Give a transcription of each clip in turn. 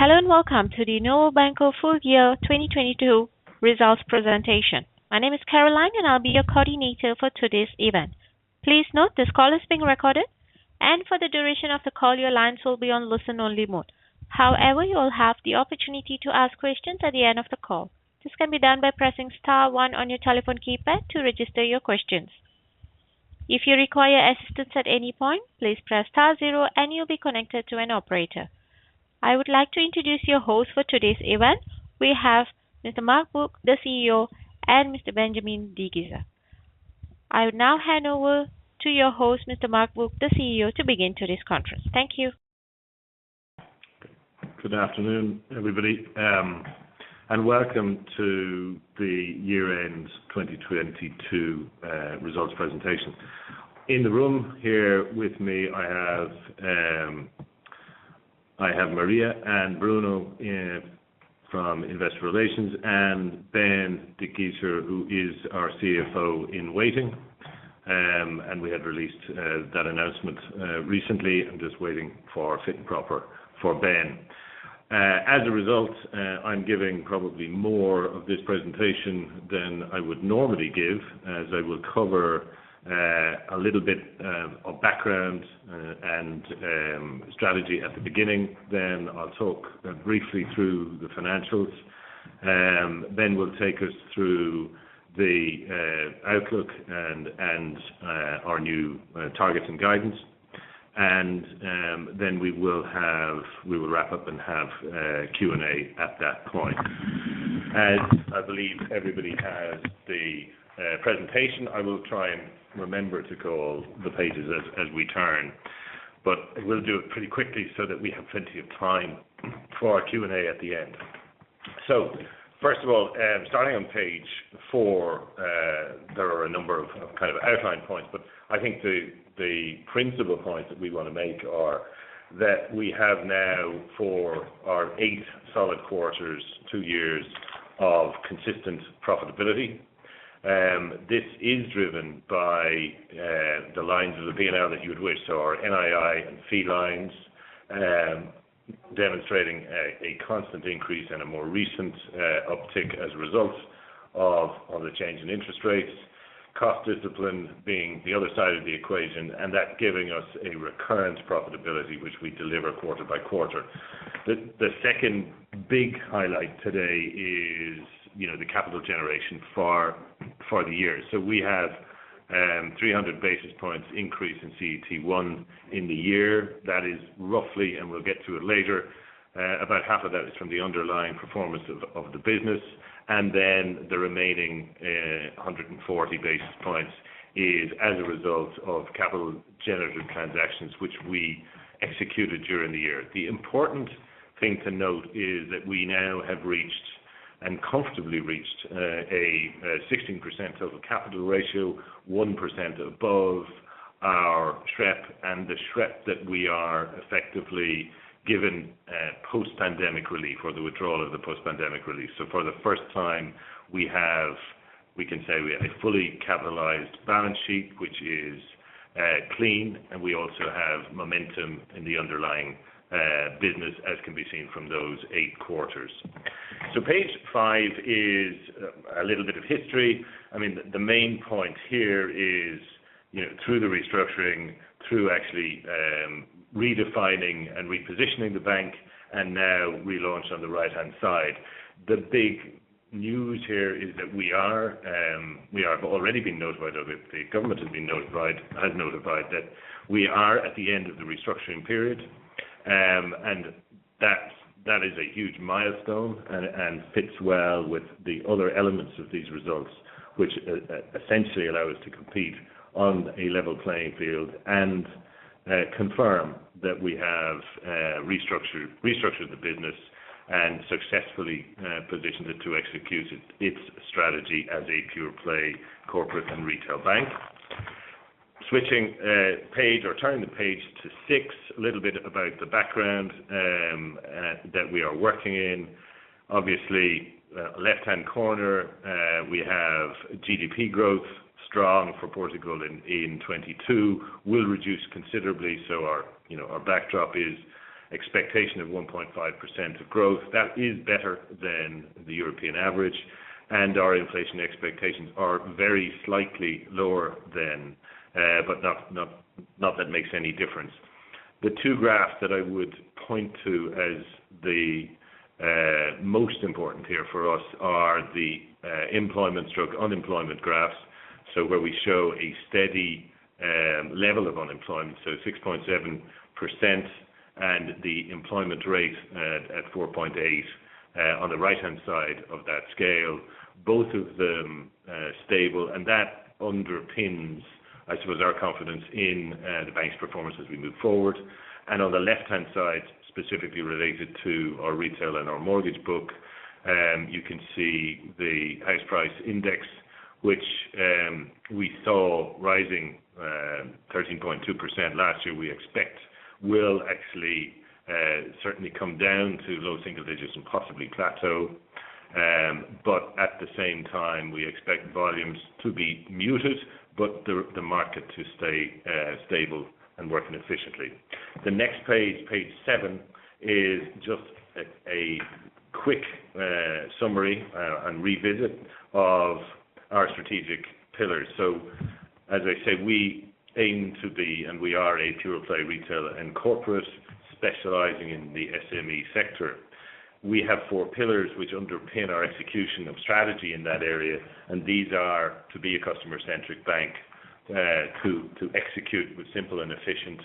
Hello and welcome to the Novo Banco full year 2022 results presentation. My name is Caroline, and I'll be your coordinator for today's event. Please note this call is being recorded, and for the duration of the call, your lines will be on listen-only mode. However, you will have the opportunity to ask questions at the end of the call. This can be done by pressing star one on your telephone keypad to register your questions. If you require assistance at any point, please press star zero and you'll be connected to an operator. I would like to introduce your host for today's event. We have Mr. Mark Bourke, the CEO, and Mr. Benjamin Dickgiesser. I would now hand over to your host, Mr. Mark Bourke, the CEO, to begin today's conference. Thank you. Good afternoon, everybody, welcome to the year-end 2022 results presentation. In the room here with me I have Maria and Bruno from Investor Relations, and Ben Dickgiesser, who is our CFO in waiting. We had released that announcement recently. I'm just waiting for fit and proper for Ben. As a result, I'm giving probably more of this presentation than I would normally give, as I will cover a little bit of background and strategy at the beginning. I'll talk briefly through the financials, then we'll take us through the outlook and our new targets and guidance. We will wrap up and have Q&A at that point. As I believe everybody has the presentation I will try and remember to call the pages as we turn, but I will do it pretty quickly so that we have plenty of time for our Q&A at the end. First of all, starting on page four, there are a number of kind of outline points, but I think the principal points that we want to make are that we have now for our eighth solid quarters, two years of consistent profitability. This is driven by the lines of the P&L that you would wish. Our NII and fee lines, demonstrating a constant increase and a more recent uptick as a result of all the change in interest rates. Cost discipline being the other side of the equation, and that giving us a recurrence profitability which we deliver quarter by quarter. The second big highlight today is, you know, the capital generation for the year. We have 300 basis points increase in CET1 in the year. That is roughly, and we'll get to it later, about half of that is from the underlying performance of the business. The remaining 140 basis points is as a result of capital generative transactions which we executed during the year. The important thing to note is that we now have reached, and comfortably reached, a 16% total capital ratio, 1% above our SREP and the SREP that we are effectively given, post-pandemic relief or the withdrawal of the post-pandemic relief. For the first time we have, we can say we have a fully capitalized balance sheet, which is clean, and we also have momentum in the underlying business, as can be seen from those eight quarters. Page five is a little bit of history. I mean, the main point here is, you know, through the restructuring, through actually redefining and repositioning the bank, and now we launch on the right-hand side. The big news here is that we are, we have already been notified of it. The government has notified that we are at the end of the restructuring period. That is a huge milestone and fits well with the other elements of these results, which essentially allow us to compete on a level playing field and confirm that we have restructured the business and successfully positioned it to execute its strategy as a pure play corporate and retail bank. Switching page or turning the page to six, a little bit about the background that we are working in. Obviously, left-hand corner, we have GDP growth strong for Portugal in 2022, will reduce considerably. Our, you know, our backdrop is expectation of 1.5% of growth. That is better than the European average, our inflation expectations are very slightly lower than, but not that makes any difference. The two graphs that I would point to as the most important here for us are the employment stroke unemployment graphs. Where we show a steady level of unemployment, 6.7%, and the employment rate at 4.8% on the right-hand side of that scale. Both of them stable, and that underpins, I suppose, our confidence in the bank's performance as we move forward. On the left-hand side, specifically related to our retail and our mortgage book, you can see the house price index, which we saw rising 13.2% last year. We expect will actually certainly come down to low single digits and possibly plateau. At the same time, we expect volumes to be muted, but the market to stay stable and working efficiently. The next page seven, is just a quick summary and revisit of our strategic pillars. As I say, we aim to be, and we are a pure play retailer and corporate specializing in the SME sector. We have four pillars which underpin our execution of strategy in that area, and these are to be a customer-centric bank, to execute with simple and efficient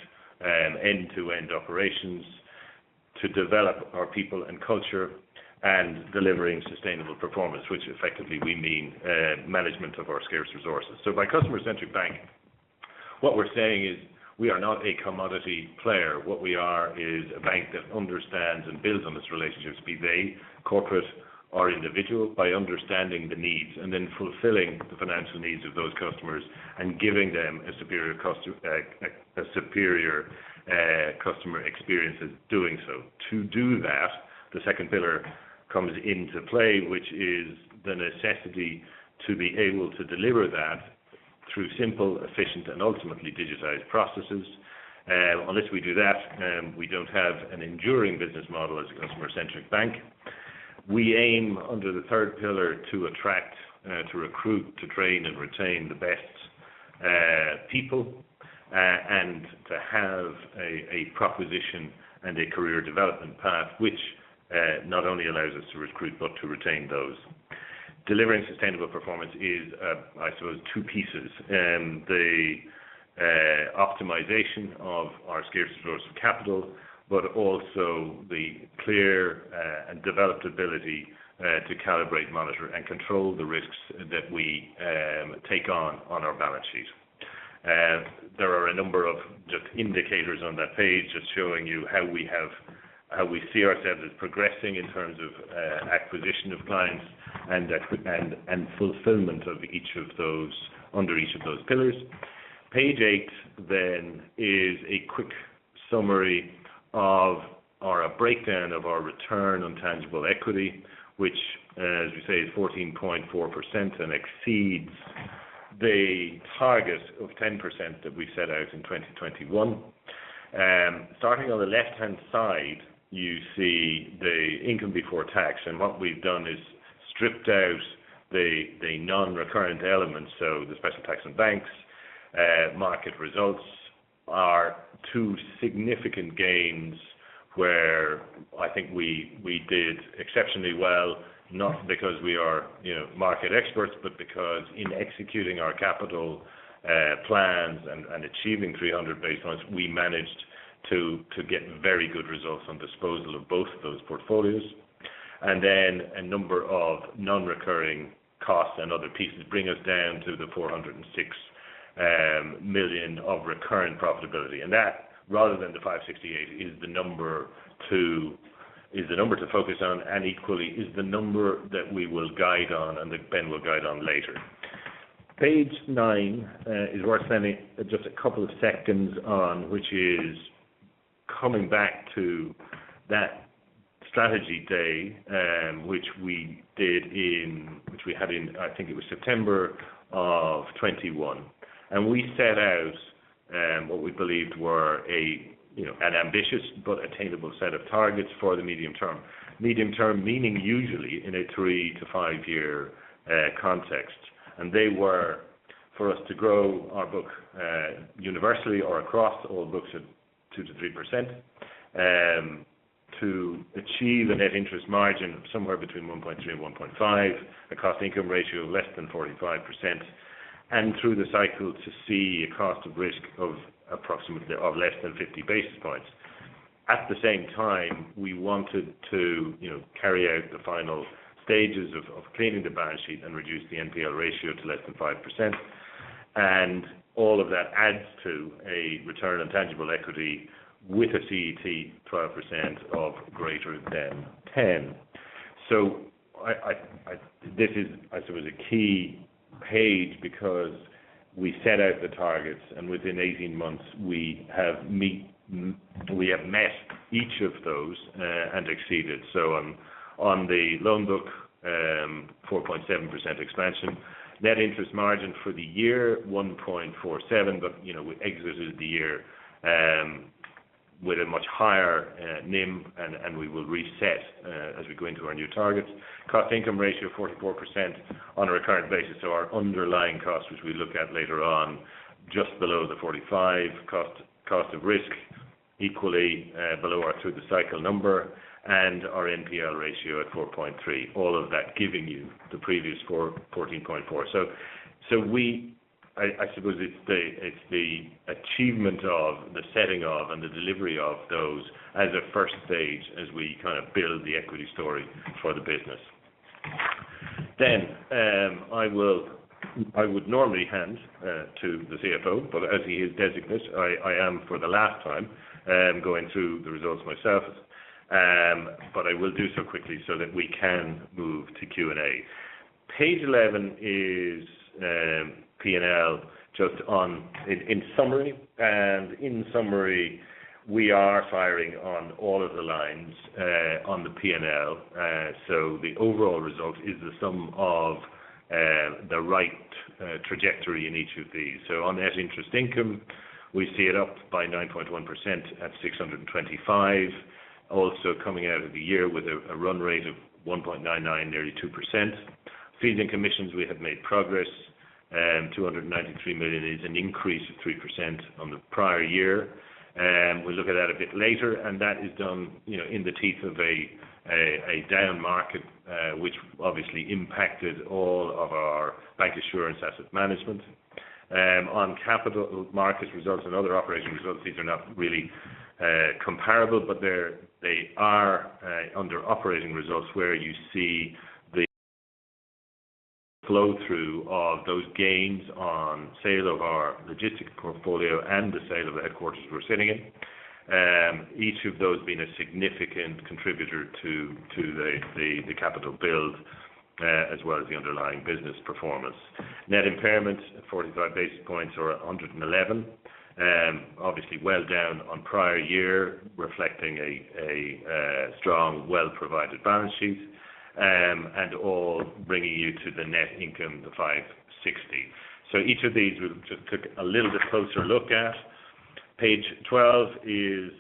end-to-end operations, to develop our people and culture, and delivering sustainable performance, which effectively we mean management of our scarce resources. By customer-centric bank, what we're saying is we are not a commodity player. What we are is a bank that understands and builds on its relationships, be they corporate or individual, by understanding the needs and then fulfilling the financial needs of those customers and giving them a superior customer experience in doing so. To do that, the second pillar comes into play, which is the necessity to be able to deliver that through simple, efficient, and ultimately digitized processes. Unless we do that, we don't have an enduring business model as a customer-centric bank. We aim, under the third pillar, to attract, to recruit, to train, and retain the best people, and to have a proposition and a career development path which not only allows us to recruit, but to retain those. Delivering sustainable performance is, I suppose two pieces, the optimization of our scarce resource of capital, but also the clear and developed ability to calibrate, monitor, and control the risks that we take on our balance sheet. There are a number of just indicators on that page just showing you how we see ourselves as progressing in terms of acquisition of clients and fulfillment of each of those under each of those pillars. Page 8 is a quick summary of, or a breakdown of our return on tangible equity, which, as we say, is 14.4% and exceeds the target of 10% that we set out in 2021. Starting on the left-hand side, you see the income before tax, and what we've done is stripped out the non-recurrent elements, so the special tax on banks. Market results are two significant gains where I think we did exceptionally well, not because we are, you know, market experts, but because in executing our capital plans and achieving 300 basis points, we managed to get very good results on disposal of both of those portfolios. Then a number of non-recurring costs and other pieces bring us down to the 406 million of recurring profitability. That, rather than the 568, is the number to focus on, and equally is the number that we will guide on and that Ben de Giezer will guide on later. Page nine is worth spending just a couple of seconds on, which is coming back to that strategy day, which we had in, I think it was September of 2021. We set out, you know, an ambitious but attainable set of targets for the medium term. Medium term meaning usually in a three to five year context. They were for us to grow our book universally or across all books at 2%-3%, to achieve a net interest margin of somewhere between 1.3% and 1.5%, a cost income ratio of less than 45%, and through the cycle to see a cost of risk of less than 50 basis points. At the same time, we wanted to, you know, carry out the final stages of cleaning the balance sheet and reduce the NPL ratio to less than 5%. All of that adds to a return on tangible equity with a CET 12% of greater than 10%. I suppose, a key page because we set out the targets, and within 18 months we have met each of those and exceeded. On the loan book, 4.7% expansion. Net interest margin for the year, 1.47%, you know, we exited the year with a much higher NIM, and we will reset as we go into our new targets. Cost income ratio 44% on a recurrent basis. Our underlying cost, which we look at later on, just below the 45%. Cost, cost of risk equally below our through the cycle number, and our NPL ratio at 4.3%. All of that giving you the previous score, 14.4%. So we, I suppose it's the, it's the achievement of, the setting of, and the delivery of those as a first stage as we kind of build the equity story for the business. I will, I would normally hand to the CFO, but as he is designated, I am for the last time, going through the results myself. I will do so quickly so that we can move to Q&A. Page 11 is P&L just on, in summary. In summary, we are firing on all of the lines on the P&L. The overall result is the sum of the right trajectory in each of these. On net interest income, we see it up by 9.1% at 625. Also coming out of the year with a run rate of 1.99, nearly 2%. Fees and commissions we have made progress. 293 million is an increase of 3% on the prior year. We'll look at that a bit later, and that is done, you know, in the teeth of a down market, which obviously impacted all of our bank insurance asset management. On capital markets results and other operating results, these are not really comparable, but they are under operating results where you see the flow through of those gains on sale of our logistic portfolio and the sale of the headquarters we're sitting in. Each of those being a significant contributor to the capital build as well as the underlying business performance. Net impairment, 45 basis points or 111. Obviously, well down on prior year, reflecting a strong, well provided balance sheet. All bringing you to the net income, 560. Each of these we'll just take a little bit closer look at. Page 12 is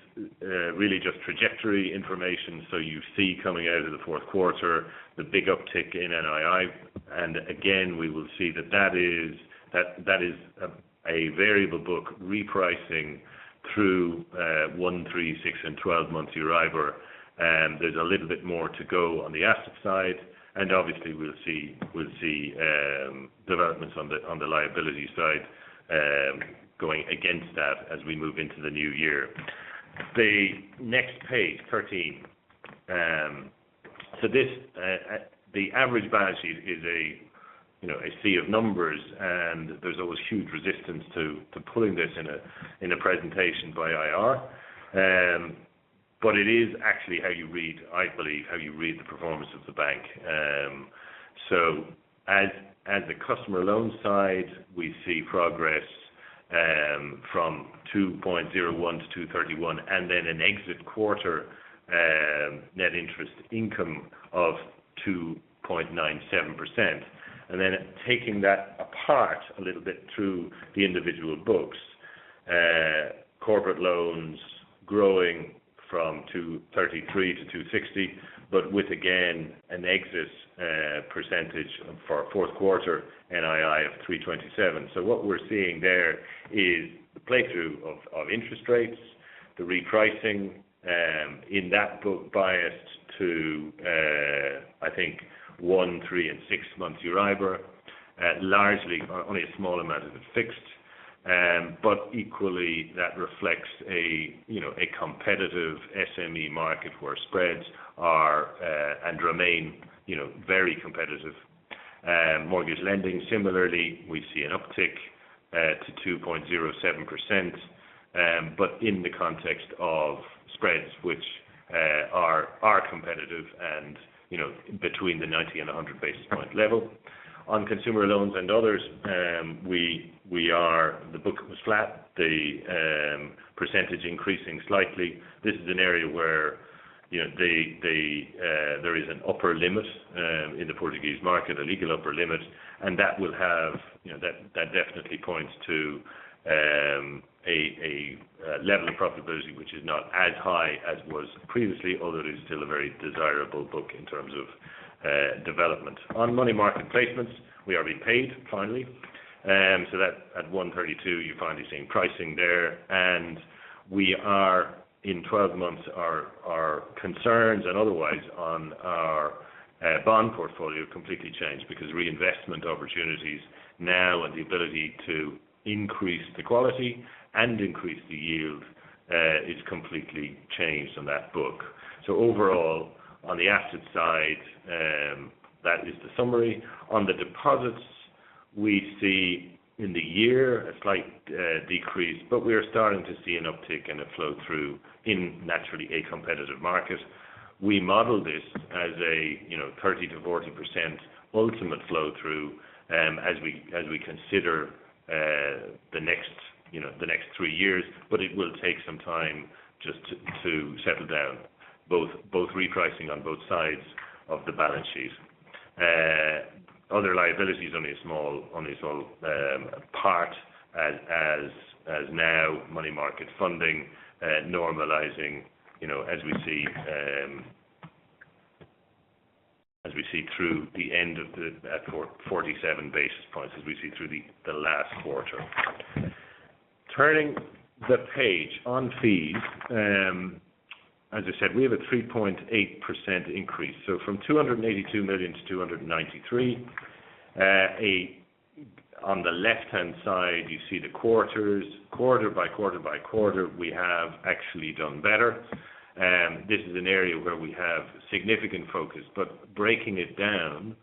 really just trajectory information. You see coming out of the fourth quarter, the big uptick in NII. Again we will see that that is a variable book repricing through one, three, six and 12 month Euribor. There's a little bit more to go on the asset side. Obviously we'll see developments on the liability side going against that as we move into the new year. The next page, 13. This, the average balance sheet is a, you know, a sea of numbers, and there's always huge resistance to pulling this in a presentation by IR. It is actually how you read, I believe, how you read the performance of the bank. As the customer loan side, we see progress from 2.01%-2.31%, and then an exit quarter net interest income of 2.97%. Taking that apart a little bit through the individual books. Corporate loans growing from 2.33%-2.60% with again an excess percentage of our fourth quarter NII of 3.27%. What we're seeing there is the play through of interest rates, the repricing in that book biased to, I think one, three and six month Euribor. Largely only a small amount of it fixed. Equally that reflects a, you know, a competitive SME market where spreads are and remain, you know, very competitive. Mortgage lending, similarly, we see an uptick to 2.07%. In the context of spreads which are competitive between the 90 and 100 basis point level. On consumer loans and others, the book was flat, the percentage increasing slightly. This is an area where there is an upper limit in the Portuguese market, a legal upper limit, and that will have that definitely points to a level of profitability which is not as high as was previously, although it is still a very desirable book in terms of development. On money market placements, we are being paid finally. That at 132, you're finally seeing pricing there. We are in 12 months, our concerns and otherwise on our bond portfolio completely changed because reinvestment opportunities now and the ability to increase the quality and increase the yield is completely changed on that book. Overall, on the asset side, that is the summary. On the deposits, we see in the year a slight decrease, but we are starting to see an uptick and a flow through in naturally a competitive market. We model this as a, you know, 30%-40% ultimate flow through as we consider the next, you know, the next three years, but it will take some time just to settle down both repricing on both sides of the balance sheet. Other liabilities only a small part as now money market funding normalizing, you know, as we see through the end of the 47 basis points, as we see through the last quarter. Turning the page on fees. As I said, we have a 3.8% increase, so from 282 million to 293 million. On the left-hand side, you see the quarters. Quarter by quarter, we have actually done better. This is an area where we have significant focus, but breaking it down,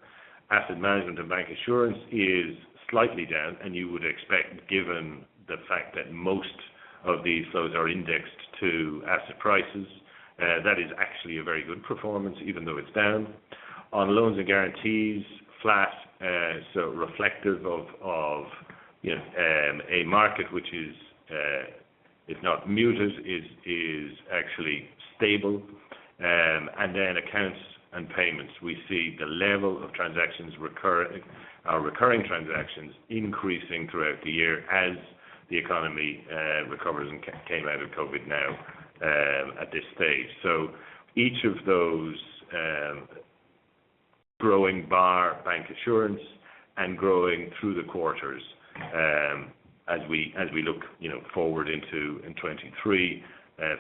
asset management and bank assurance is slightly down. You would expect, given the fact that most of these, those are indexed to asset prices. That is actually a very good performance, even though it's down. On loans and guarantees, flat, so reflective of, you know, a market which is, if not muted, is actually stable. Accounts and payments, we see the level of recurring transactions increasing throughout the year as the economy recovers and came out of COVID now at this stage. Each of those growing bar bank assurance and growing through the quarters as we look, you know, forward into 2023,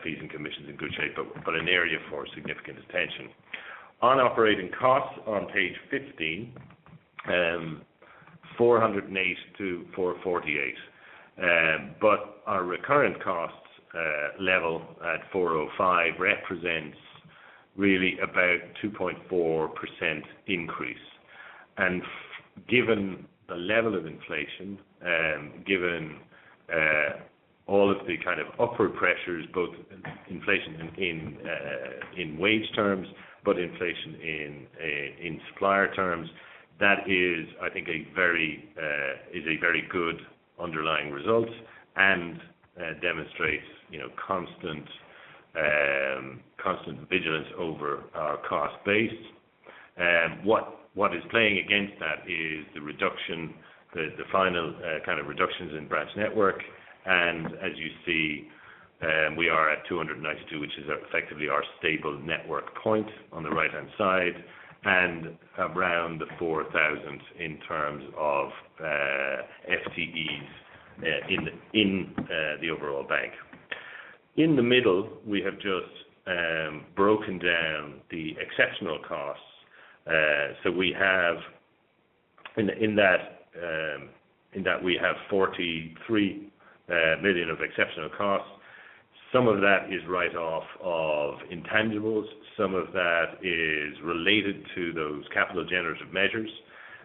fees and commissions in good shape, but an area for significant attention. On operating costs on page 15, EUR 482.448. Our recurrent costs level at 405 represents really about 2.4% increase. Given the level of inflation, given all of the kind of upward pressures, both in inflation in wage terms, but inflation in supplier terms, that is, I think a very good underlying result and demonstrates, you know, constant vigilance over our cost base. What is playing against that is the reduction, the final kind of reductions in branch network. As you see, we are at 292, which is effectively our stable network point on the right-hand side and around 4,000 in terms of FTEs in the overall bank. In the middle, we have just broken down the exceptional costs. In that we have 43 million of exceptional costs. Some of that is write-off of intangibles, some of that is related to those capital generative measures.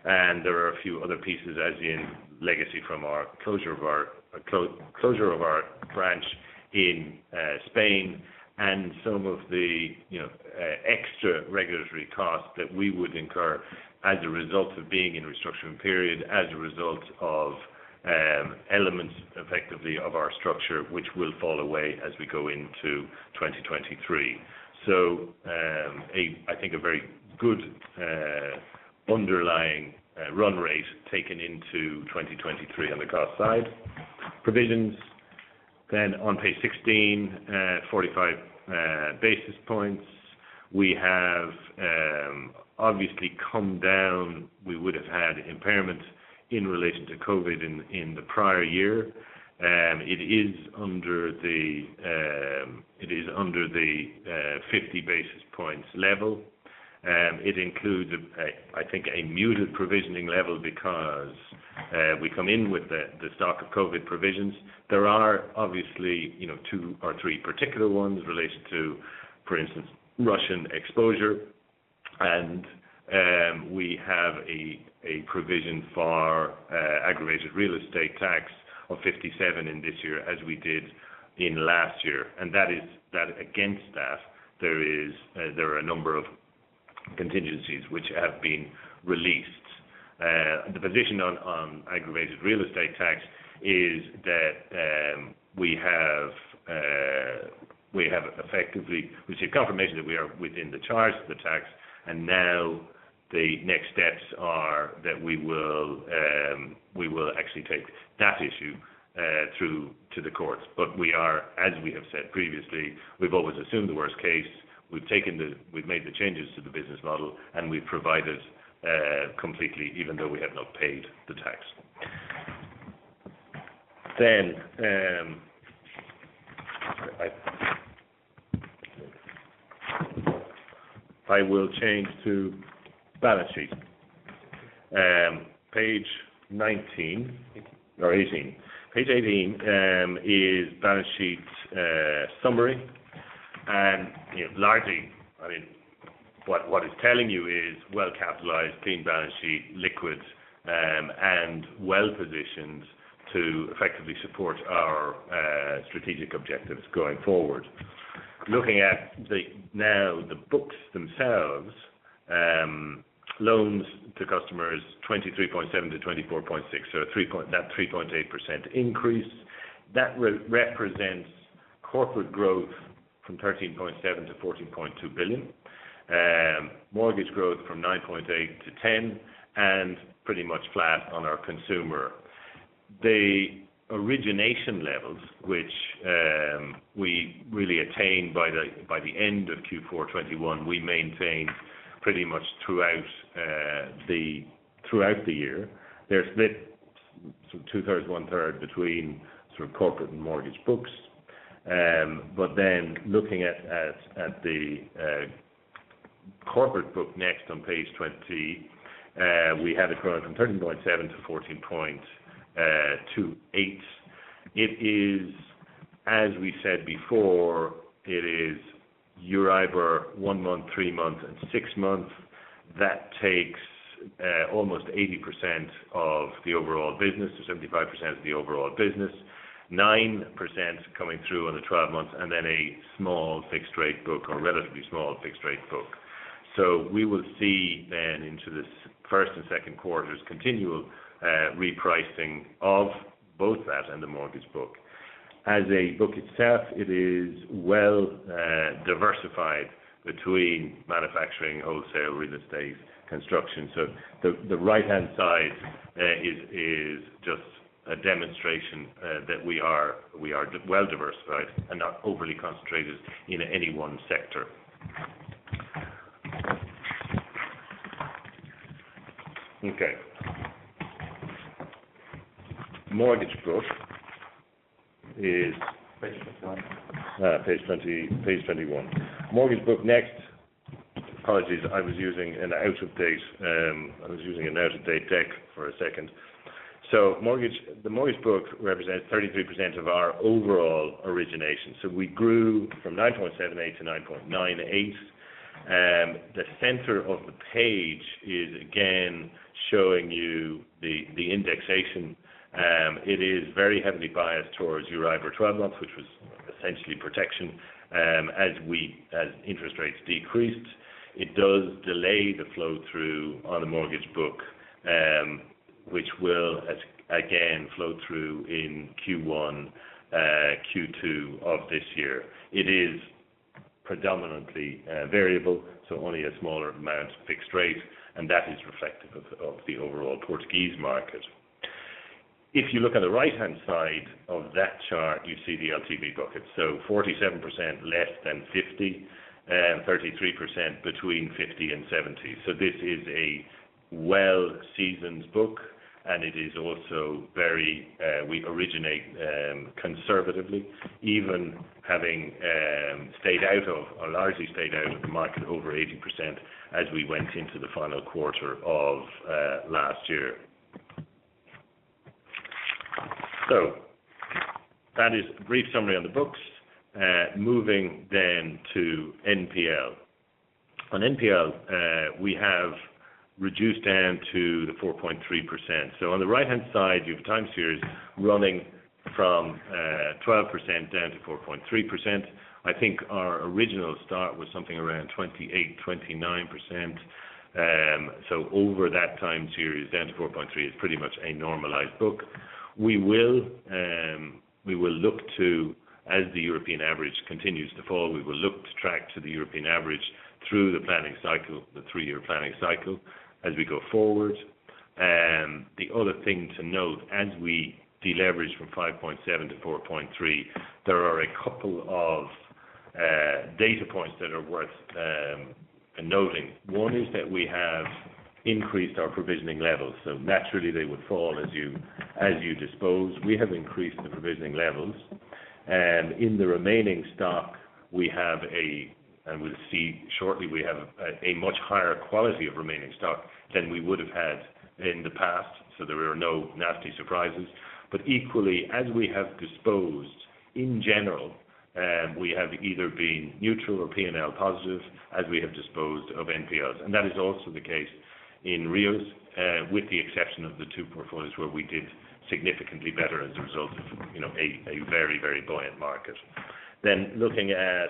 There are a few other pieces as in legacy from our closure of our closure of our branch in Spain and some of the, you know, extra regulatory costs that we would incur as a result of being in restructuring period, as a result of elements effectively of our structure, which will fall away as we go into 2023. A, I think, a very good underlying run rate taken into 2023 on the cost side. Provisions on page 16, 45 basis points. We have obviously come down. We would have had impairment in relation to COVID in the prior year. It is under the, it is under the 50 basis points level. It includes, I think, a muted provisioning level because we come in with the stock of COVID provisions. There are obviously, you know, two or three particular ones related to, for instance, Russian exposure. We have a provision for aggravated real estate tax of 57 in this year, as we did in last year. That is, against that, there are a number of contingencies which have been released. The position on aggravated real estate tax is that we have effectively received confirmation that we are within the charge of the tax, now the next steps are that we will actually take that issue through to the courts. We are, as we have said previously, we've always assumed the worst case. We've made the changes to the business model, and we've provided completely, even though we have not paid the tax. I will change to balance sheet. Page 19 or 18. Page 18 is balance sheet summary. you know, largely, I mean, what it's telling you is well-capitalized clean balance sheet, liquids, and well-positioned to effectively support our strategic objectives going forward. Looking at the books themselves, loans to customers 23.7 billion-24.6 billion. That's 3.8% increase. That re-represents corporate growth from 13.7 billion-14.2 billion. Mortgage growth from 9.8 billion- 10 billion, and pretty much flat on our consumer. The origination levels, which we really attained by the end of Q4 2021, we maintained pretty much throughout the year. They're split sort of 2/3, 1/3 between sort of corporate and mortgage books. Looking at the corporate book next on page 20, we had it growing from 13.7-14.28. It is, as we said before, it is Euribor one month, three months, and six months. That takes almost 80% of the overall business, so 75% of the overall business. 9% coming through on the 12 months, and then a small fixed rate book, or relatively small fixed rate book. We will see then into this first and second quarters continual repricing of both that and the mortgage book. As a book itself, it is well diversified between manufacturing, wholesale, real estate, construction. The, the right-hand side is just a demonstration that we are, we are well diversified and not overly concentrated in any one sector. Okay. Mortgage book is. Page 21. Page 20, page 21. Mortgage book next. Apologies, I was using an out of date deck for a second. Mortgage, the mortgage book represents 33% of our overall origination. We grew from 9.78-9.98. The center of the page is again showing you the indexation. It is very heavily biased towards Euribor 12 month, which was essentially protection, as interest rates decreased. It does delay the flow through on the mortgage book, which will again flow through in Q1, Q2 of this year. It is predominantly variable, only a smaller amount fixed rate, and that is reflective of the overall Portuguese market. If you look on the right-hand side of that chart, you see the LTV buckets. 47% less than 50, and 33% between 50 and 70. This is a well-seasoned book, and it is also very, we originate conservatively, even having stayed out of, or largely stayed out of the market over 80% as we went into the final quarter of last year. That is a brief summary on the books. Moving then to NPL. On NPL, we have reduced down to the 4.3%. On the right-hand side, you have time series running from 12% down to 4.3%. I think our original start was something around 28%, 29%. Over that time series down to 4.3 is pretty much a normalized book. We will look to, as the European average continues to fall, we will look to track to the European average through the planning cycle, the three year planning cycle as we go forward. The other thing to note as we deleverage from 5.7-4.3, there are a couple of data points that are worth noting. One is that we have increased our provisioning levels, so naturally they would fall as you dispose. We have increased the provisioning levels. In the remaining stock, we have and we'll see shortly, we have a much higher quality of remaining stock than we would've had in the past. There are no nasty surprises. Equally, as we have disposed in general, we have either been neutral or P&L positive as we have disposed of NPLs. That is also the case in REOs, with the exception of the two portfolios where we did significantly better as a result of, you know, a very buoyant market. Looking at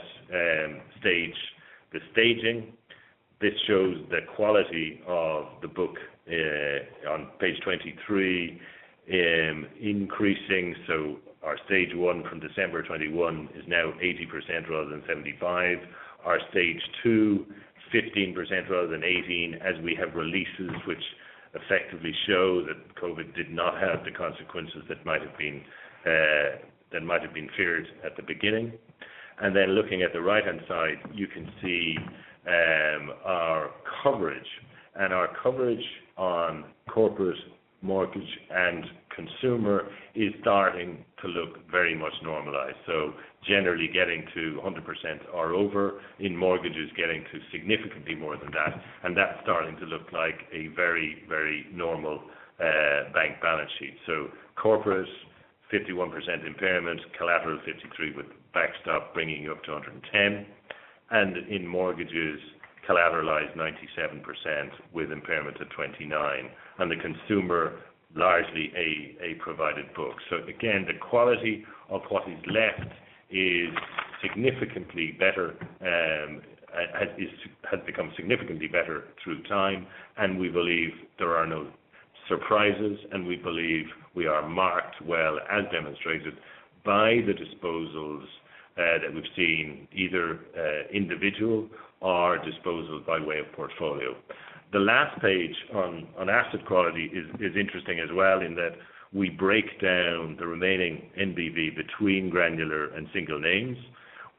stage, the staging. This shows the quality of the book, on page 23, increasing. Our stage one from December 2021 is now 80% rather than 75%. Our stage two, 15% rather than 18%, as we have releases which effectively show that Covid did not have the consequences that might have been that might have been feared at the beginning. Looking at the right-hand side, you can see our coverage. Our coverage on corporate mortgage and consumer is starting to look very much normalized. Generally getting to 100% or over. In mortgages, getting to significantly more than that. That's starting to look like a very, very normal bank balance sheet. Corporates, 51% impairment. Collateral 53 with backstop bringing you up to 110. In mortgages, collateralized 97% with impairment of 29. The consumer, largely a provided book. Again, the quality of what is left is significantly better, has become significantly better through time. We believe there are no surprises, and we believe we are marked well as demonstrated by the disposals that we've seen either individual or disposals by way of portfolio. The last page on asset quality is interesting as well in that we break down the remaining NBV between granular and single names.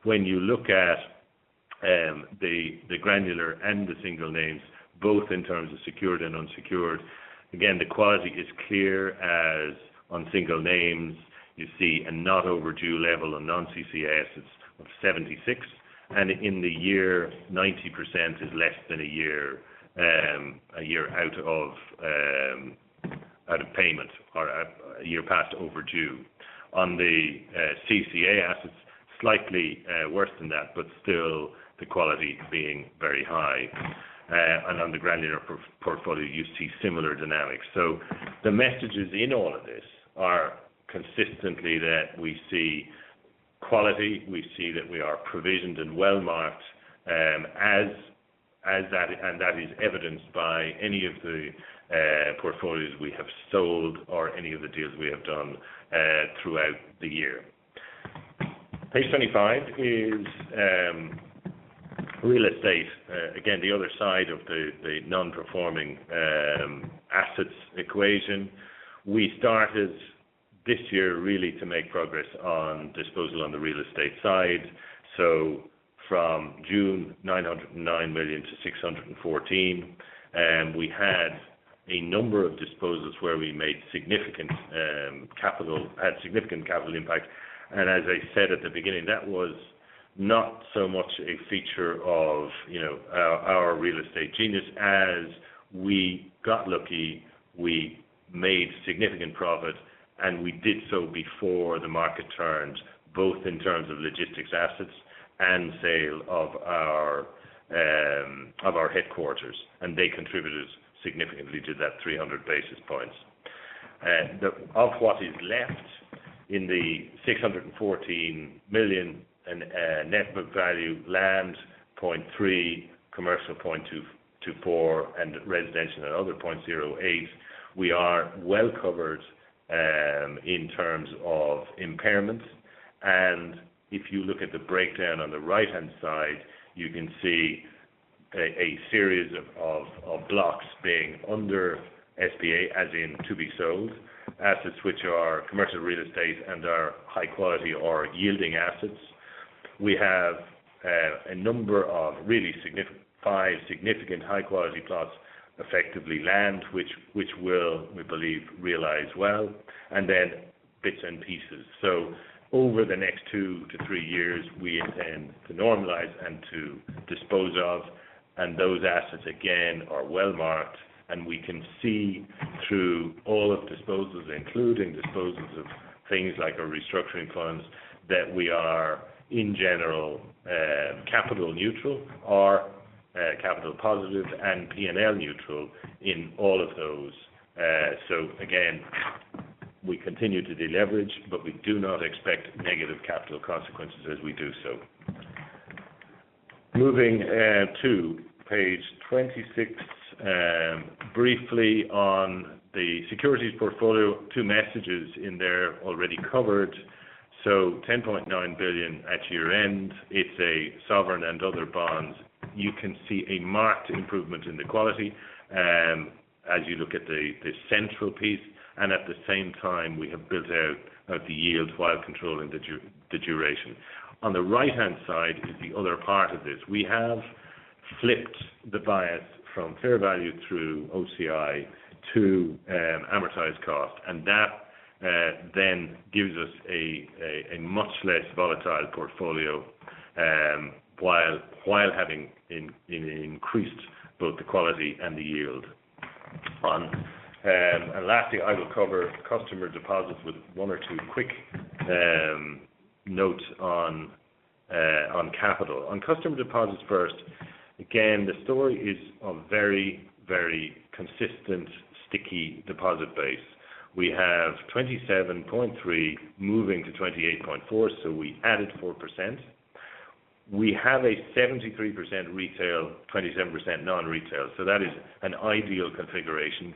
When you look at the granular and the single names, both in terms of secured and unsecured, again, the quality is clear as on single names, you see a not overdue level on non-CCAs is of 76. In the year, 90% is less than a year, a year out of payment. A year past overdue. On the CCA assets, slightly worse than that, but still the quality being very high. On the granular portfolio, you see similar dynamics. The messages in all of this are consistently that we see quality, we see that we are provisioned and well marked, as that, and that is evidenced by any of the portfolios we have sold or any of the deals we have done throughout the year. Page 25 is real estate. The other side of the non-performing assets equation. We started this year really to make progress on disposal on the real estate side. From June, 909 million-614 million. We had a number of disposals where we had significant capital impact. As I said at the beginning, that was not so much a feature of, you know, our real estate genius as we got lucky, we made significant profit, and we did so before the market turned, both in terms of logistics assets and sale of our headquarters. They contributed significantly to that 300 basis points. Of what is left in the 614 million in net book value land, 0.3, commercial 0.2-0.4, and residential and other 0.08, we are well covered in terms of impairment. If you look at the breakdown on the right-hand side, you can see a series of blocks being under SBA, as in to be sold. Assets which are commercial real estate and are high quality or yielding assets. We have a number of really five significant high quality plots, effectively land, which will, we believe, realize well, and then bits and pieces. Over the next 2-3 years, we intend to normalize and to dispose of, and those assets, again, are well marked. We can see through all of disposals, including disposals of things like our restructuring funds, that we are, in general, capital neutral or capital positive and P&L neutral in all of those. Again, we continue to deleverage, but we do not expect negative capital consequences as we do so. Moving to page 26, briefly on the securities portfolio. Ten point nine billion at year-end. It's a sovereign and other bonds. You can see a marked improvement in the quality, as you look at the central piece, and at the same time, we have built out the yield while controlling the duration. On the right-hand side is the other part of this. We have flipped the bias from fair value through OCI to amortized cost. That then gives us a much less volatile portfolio, while having increased both the quality and the yield. Lastly, I will cover customer deposits with one or two quick notes on capital. On customer deposits first. Again, the story is a very consistent, sticky deposit base. We have 27.3 moving to 28.4, so we added 4%. We have a 73% retail, 27% non-retail, so that is an ideal configuration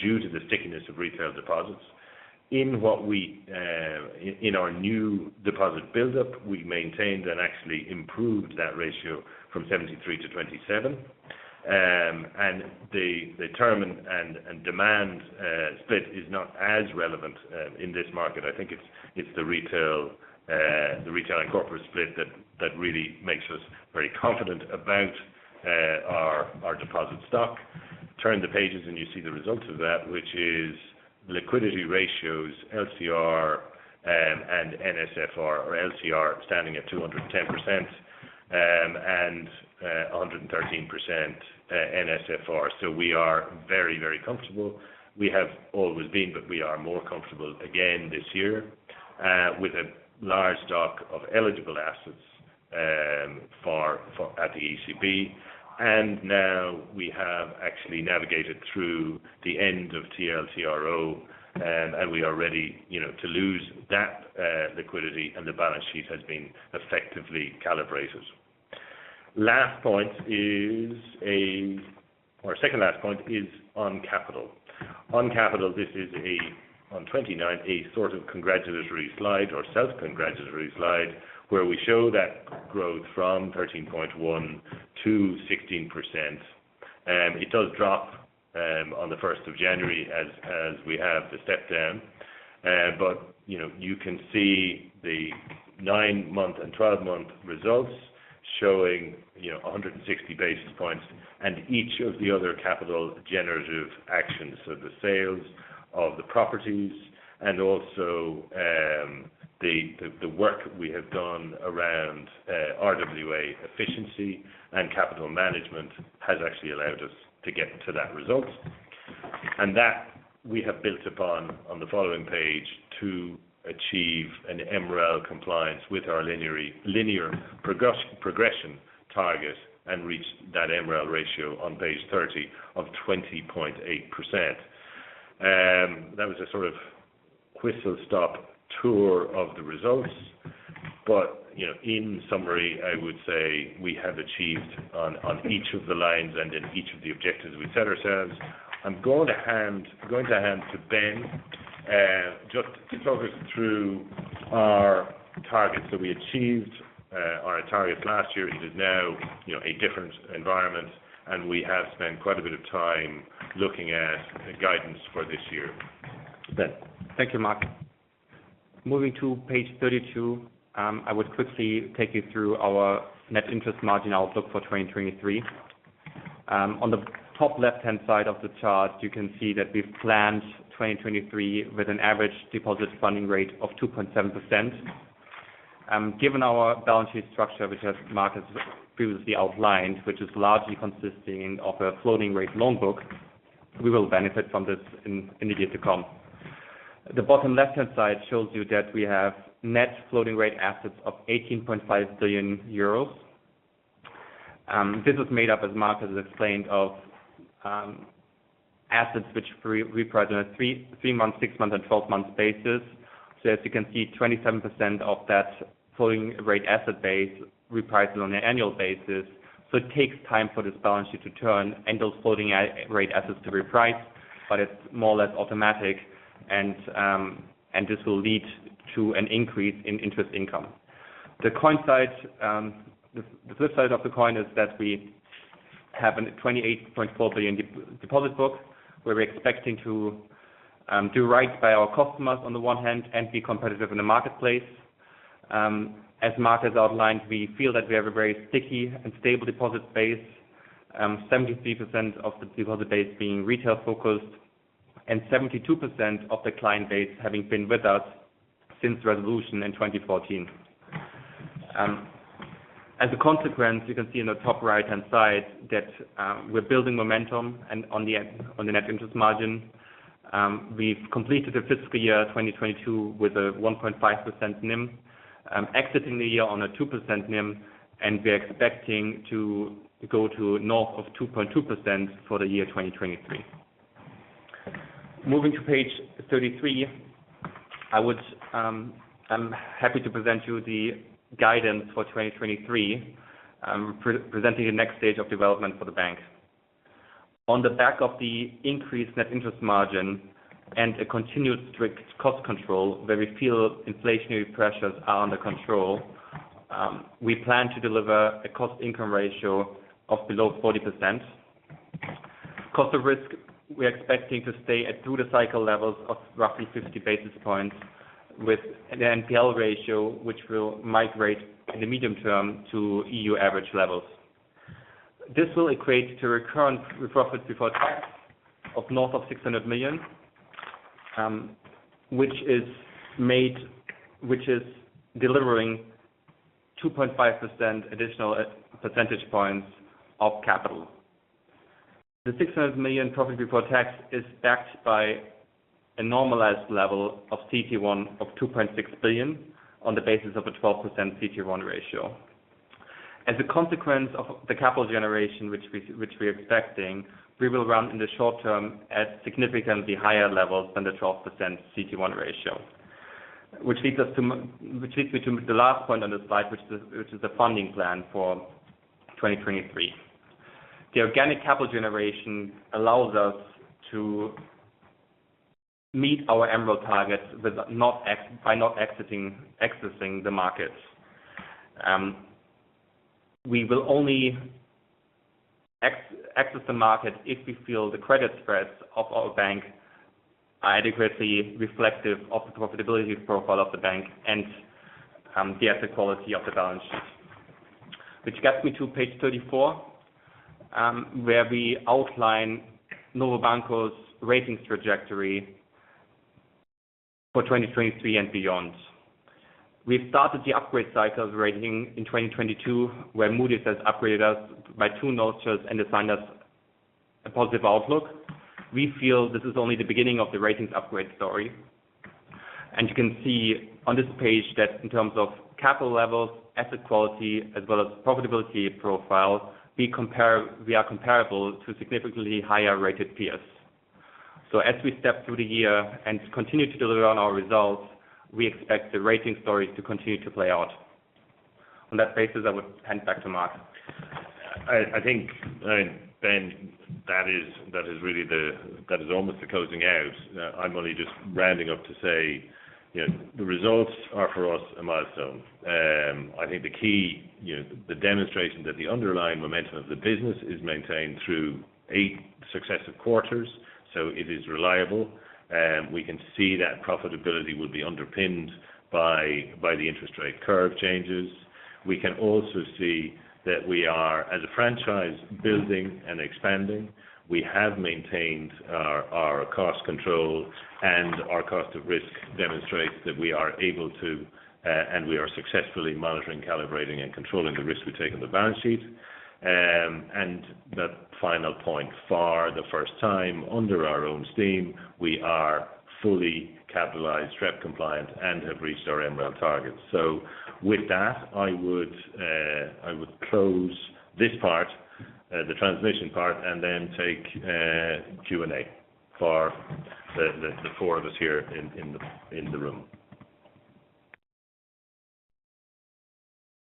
due to the stickiness of retail deposits. In what we in our new deposit buildup, we maintained and actually improved that ratio from 73-27. The term and demand split is not as relevant in this market. I think it's the retail, the retail and corporate split that really makes us very confident about our deposit stock. Turn the pages you see the results of that, which is liquidity ratios, LCR, and NSFR, or LCR standing at 210%, and 113% NSFR. We are very comfortable. We have always been, but we are more comfortable again this year with a large stock of eligible assets for at the ECB. Now we have actually navigated through the end of TLTRO, and we are ready, you know, to lose that liquidity and the balance sheet has been effectively calibrated. Second last point is on capital. On capital, this is a, on 29, a sort of congratulatory slide or self-congratulatory slide, where we show that growth from 13.1%-16%. It does drop on the 1st of January as we have the step down. You know, you can see the nine month and 12-month results showing, you know, 160 basis points and each of the other capital generative actions. The sales of the properties and also, the work we have done around RWA efficiency and capital management has actually allowed us to get to that result. That we have built upon on the following page to achieve an MREL compliance with our linear progression target and reach that MREL ratio on page 30 of 20.8%. That was a sort of whistle-stop tour of the results. You know, in summary, I would say we have achieved on each of the lines and in each of the objectives we set ourselves. I'm going to hand to Ben, just to talk us through our targets that we achieved our targets last year. It is now, you know, a different environment, and we have spent quite a bit of time looking at the guidance for this year. Ben. Thank you, Mark. Moving to page 32, I would quickly take you through our net interest margin outlook for 2023. On the top left-hand side of the chart, you can see that we've planned 2023 with an average deposit funding rate of 2.7%. Given our balance sheet structure, which as Mark has previously outlined, which is largely consisting of a floating rate loan book, we will benefit from this in the year to come. The bottom left-hand side shows you that we have net floating rate assets of 18.5 billion euros. This is made up, as Mark has explained, of assets which reprice on a three month, six month and 12-month basis. As you can see, 27% of that floating rate asset base reprices on an annual basis. It takes time for this balance sheet to turn and those floating rate assets to reprice, but it's more or less automatic. This will lead to an increase in interest income. The coin side, the flip side of the coin is that we have a 28.4 billion deposit book, where we're expecting to do right by our customers on the one hand and be competitive in the marketplace. As Mark has outlined, we feel that we have a very sticky and stable deposit base, 73% of the deposit base being retail-focused and 72% of the client base having been with us since resolution in 2014. As a consequence, you can see in the top right-hand side that we're building momentum on the net interest margin. We've completed the fiscal year 2022 with a 1.5% NIM, exiting the year on a 2% NIM, and we're expecting to go to north of 2.2% for the year 2023. Moving to page 33, I am happy to present you the guidance for 2023. I'm presenting the next stage of development for the bank. On the back of the increased net interest margin and a continued strict cost control where we feel inflationary pressures are under control, we plan to deliver a cost income ratio of below 40%. Cost of risk, we're expecting to stay at through the cycle levels of roughly 50 basis points with an NPL ratio, which will migrate in the medium term to EU average levels. This will equate to recurrent profit before tax of north of 600 million, which is delivering 2.5 percentage points of capital. The 600 million profit before tax is backed by a normalized level of CT1 of 2.6 billion on the basis of a 12% CT1 ratio. As a consequence of the capital generation which we're expecting, we will run in the short term at significantly higher levels than the 12% CT1 ratio. Which leads me to the last point on this slide, which is the funding plan for 2023. The organic capital generation allows us to meet our MREL targets with by not exiting, accessing the markets. We will only access the market if we feel the credit spreads of our bank are adequately reflective of the profitability profile of the bank and the asset quality of the balance sheet. Which gets me to page 34, where we outline Novo Banco's ratings trajectory for 2023 and beyond. We've started the upgrade cycle rating in 2022, where Moody's has upgraded us by two notches and assigned us a positive outlook. You can see on this page that in terms of capital levels, asset quality, as well as profitability profile, we are comparable to significantly higher-rated peers. As we step through the year and continue to deliver on our results, we expect the rating story to continue to play out. On that basis, I would hand back to Mark. I think, Ben, that is really that is almost the closing out. I'm only just rounding up to say, you know, the results are, for us, a milestone. I think the key, you know, the demonstration that the underlying momentum of the business is maintained through 8 successive quarters, it is reliable. We can see that profitability will be underpinned by the interest rate curve changes. We can also see that we are, as a franchise, building and expanding. We have maintained our cost control, our cost of risk demonstrates that we are able to, and we are successfully monitoring, calibrating, and controlling the risk we take on the balance sheet. The final point, for the first time under our own steam, we are fully capitalized, SREP compliant, and have reached our MREL targets. With that, I would close this part, the transmission part, and then take Q&A for the four of us here in the room.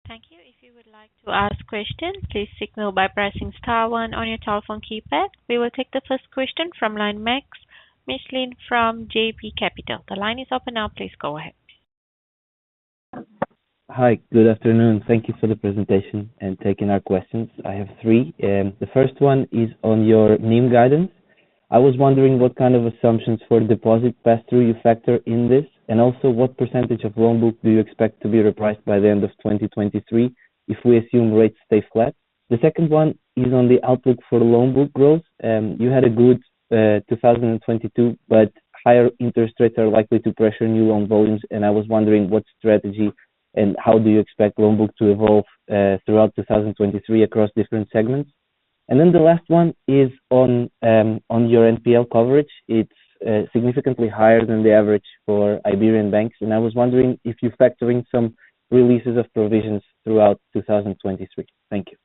Thank you. If you would like to ask questions, please signal by pressing star one on your telephone keypad. We will take the first question from line Max Michelin from JP Capital. The line is open now. Please go ahead. Hi good afternoon. Thank you for the presentation and taking our questions. I have three. The first one is on your NIM guidance. I was wondering what kind of assumptions for deposit pass-through you factor in this, and also what percentage of loan book do you expect to be repriced by the end of 2023 if we assume rates stay flat? The second one is on the outlook for loan book growth. You had a good 2022, but higher interest rates are likely to pressure new loan volumes, and I was wondering what strategy and how do you expect loan book to evolve throughout 2023 across different segments. Then the last one is on your NPL coverage. It's significantly higher than the average for Iberian banks. I was wondering if you're factoring some releases of provisions throughout 2023? Thank you.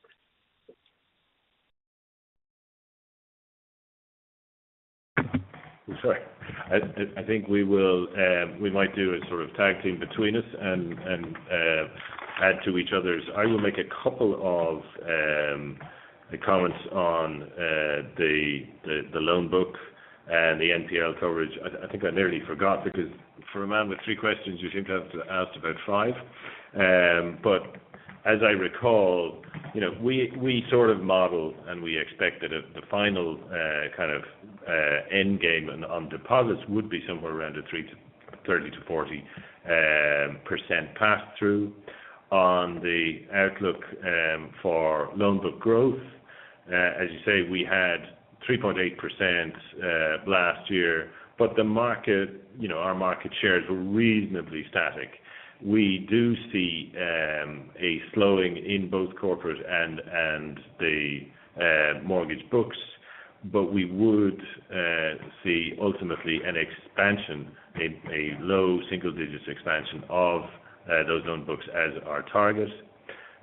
Sure. I think we will, we might do a sort of tag team between us and add to each other's. I will make a couple of comments on the loan book and the NPL coverage. I think I nearly forgot because for a man with three questions, you seem to have to ask about five. As I recall, you know, we sort of modeled, and we expected it, the final kind of end game on deposits would be somewhere around the 30%-40% pass-through. On the outlook for loan book growth, as you say, we had 3.8% last year. The market, you know, our market shares were reasonably static. We do see a slowing in both corporate and the mortgage books, but we would see ultimately an expansion, a low single-digit expansion of those loan books as our target.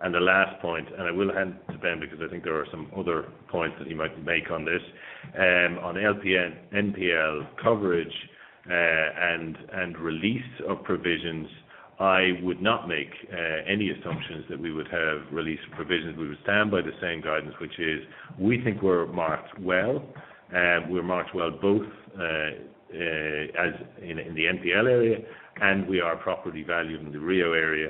The last point, and I will hand to Ben because I think there are some other points that he might make on this. On NPL coverage and release of provisions, I would not make any assumptions that we would have release of provisions. We would stand by the same guidance, which is, we think we're marked well. We're marked well both as in the NPL area, and we are properly valued in the REO area,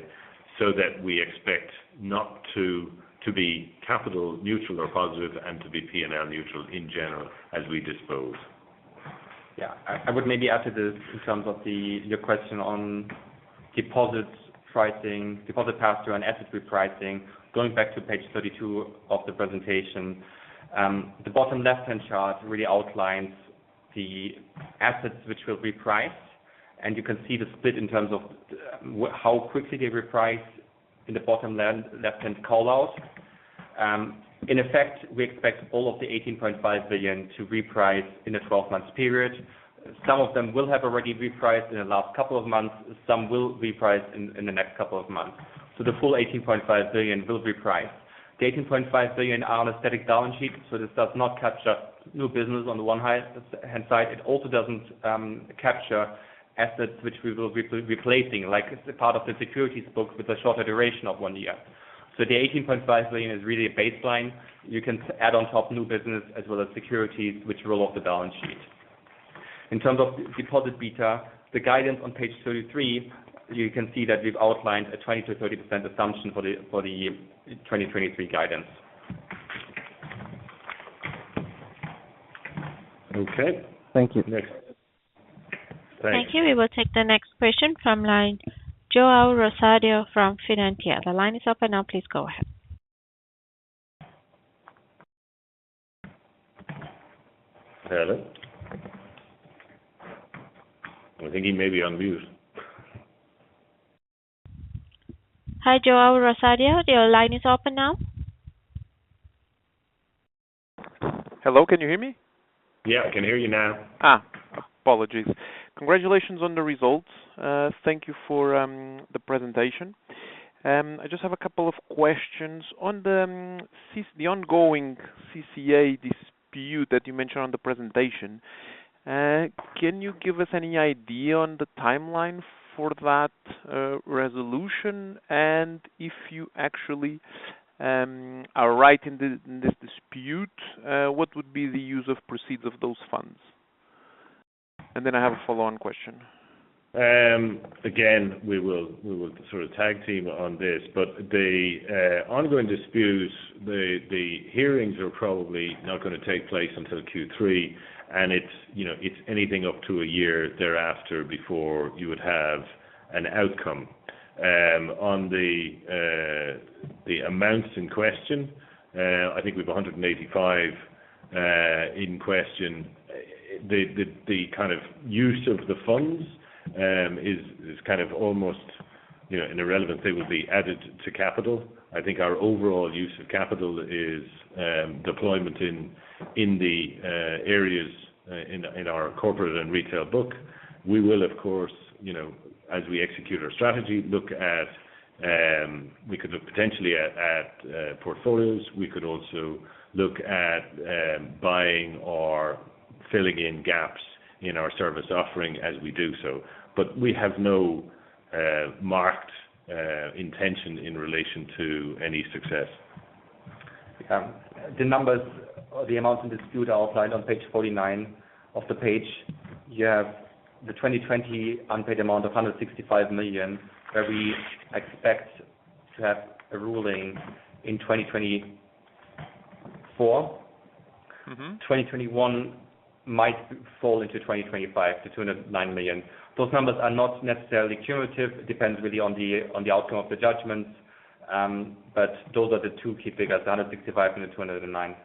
so that we expect not to be capital neutral or positive and to be P&L neutral in general as we dispose. I would maybe add to this in terms of your question on deposits pricing, deposit pass-through, and asset repricing. Going back to page 32 of the presentation, the bottom left-hand chart really outlines the assets which will reprice, and you can see the split in terms of how quickly they reprice in the bottom left-hand call-out. In effect, we expect all of the 18.5 billion to reprice in a 12-month period. Some of them will have already repriced in the last couple of months. Some will reprice in the next couple of months. So the full 18.5 billion will reprice. The 18.5 billion are on a static balance sheet, so this does not capture new business on the one hand side. It also doesn't capture assets which we will be replacing, like it's a part of the securities book with a shorter duration of one year. The 18.5 billion is really a baseline. You can add on top new business as well as securities which roll off the balance sheet. In terms of deposit beta, the guidance on page 33, you can see that we've outlined a 20%-30% assumption for the, for the year in 2023 guidance. Okay. Thank you. Next thanks. Thank you. We will take the next question from line João Rosado from Finantia. The line is open now. Please go ahead. Hello? I think he may be on mute. Hi João Rosado. Your line is open now. Hello can you hear me? Yeah I can hear you now. Apologies congratulations on the results. Thank you for the presentation. I just have a couple of questions. On the ongoing CCA dispute that you mentioned on the presentation, can you give us any idea on the timeline for that resolution? If you actually are right in this dispute, what would be the use of proceeds of those funds? Then I have a follow-on question. Again, we will sort of tag team on this. The ongoing disputes, the hearings are probably not gonna take place until Q3, and it's, you know, it's anything up to a year thereafter before you would have an outcome. On the amounts in question, I think we've 185 in question, the kind of use of the funds is kind of almost, you know, an irrelevancy would be added to capital. I think our overall use of capital is deployment in the areas in our corporate and retail book. We will of course, you know, as we execute our strategy, look at, we could look potentially at portfolios. We could also look at, buying or filling in gaps in our service offering as we do so. We have no marked intention in relation to any success. The numbers or the amounts in dispute are outlined on page 49. Of the page, you have the 2020 unpaid amount of 165 million, where we expect to have a ruling in 2024. Mm-hmm. 2021 might fall into 2025 to 209 million. Those numbers are not necessarily cumulative. It depends really on the outcome of the judgments. Those are the two key figures, the 165 and the 209.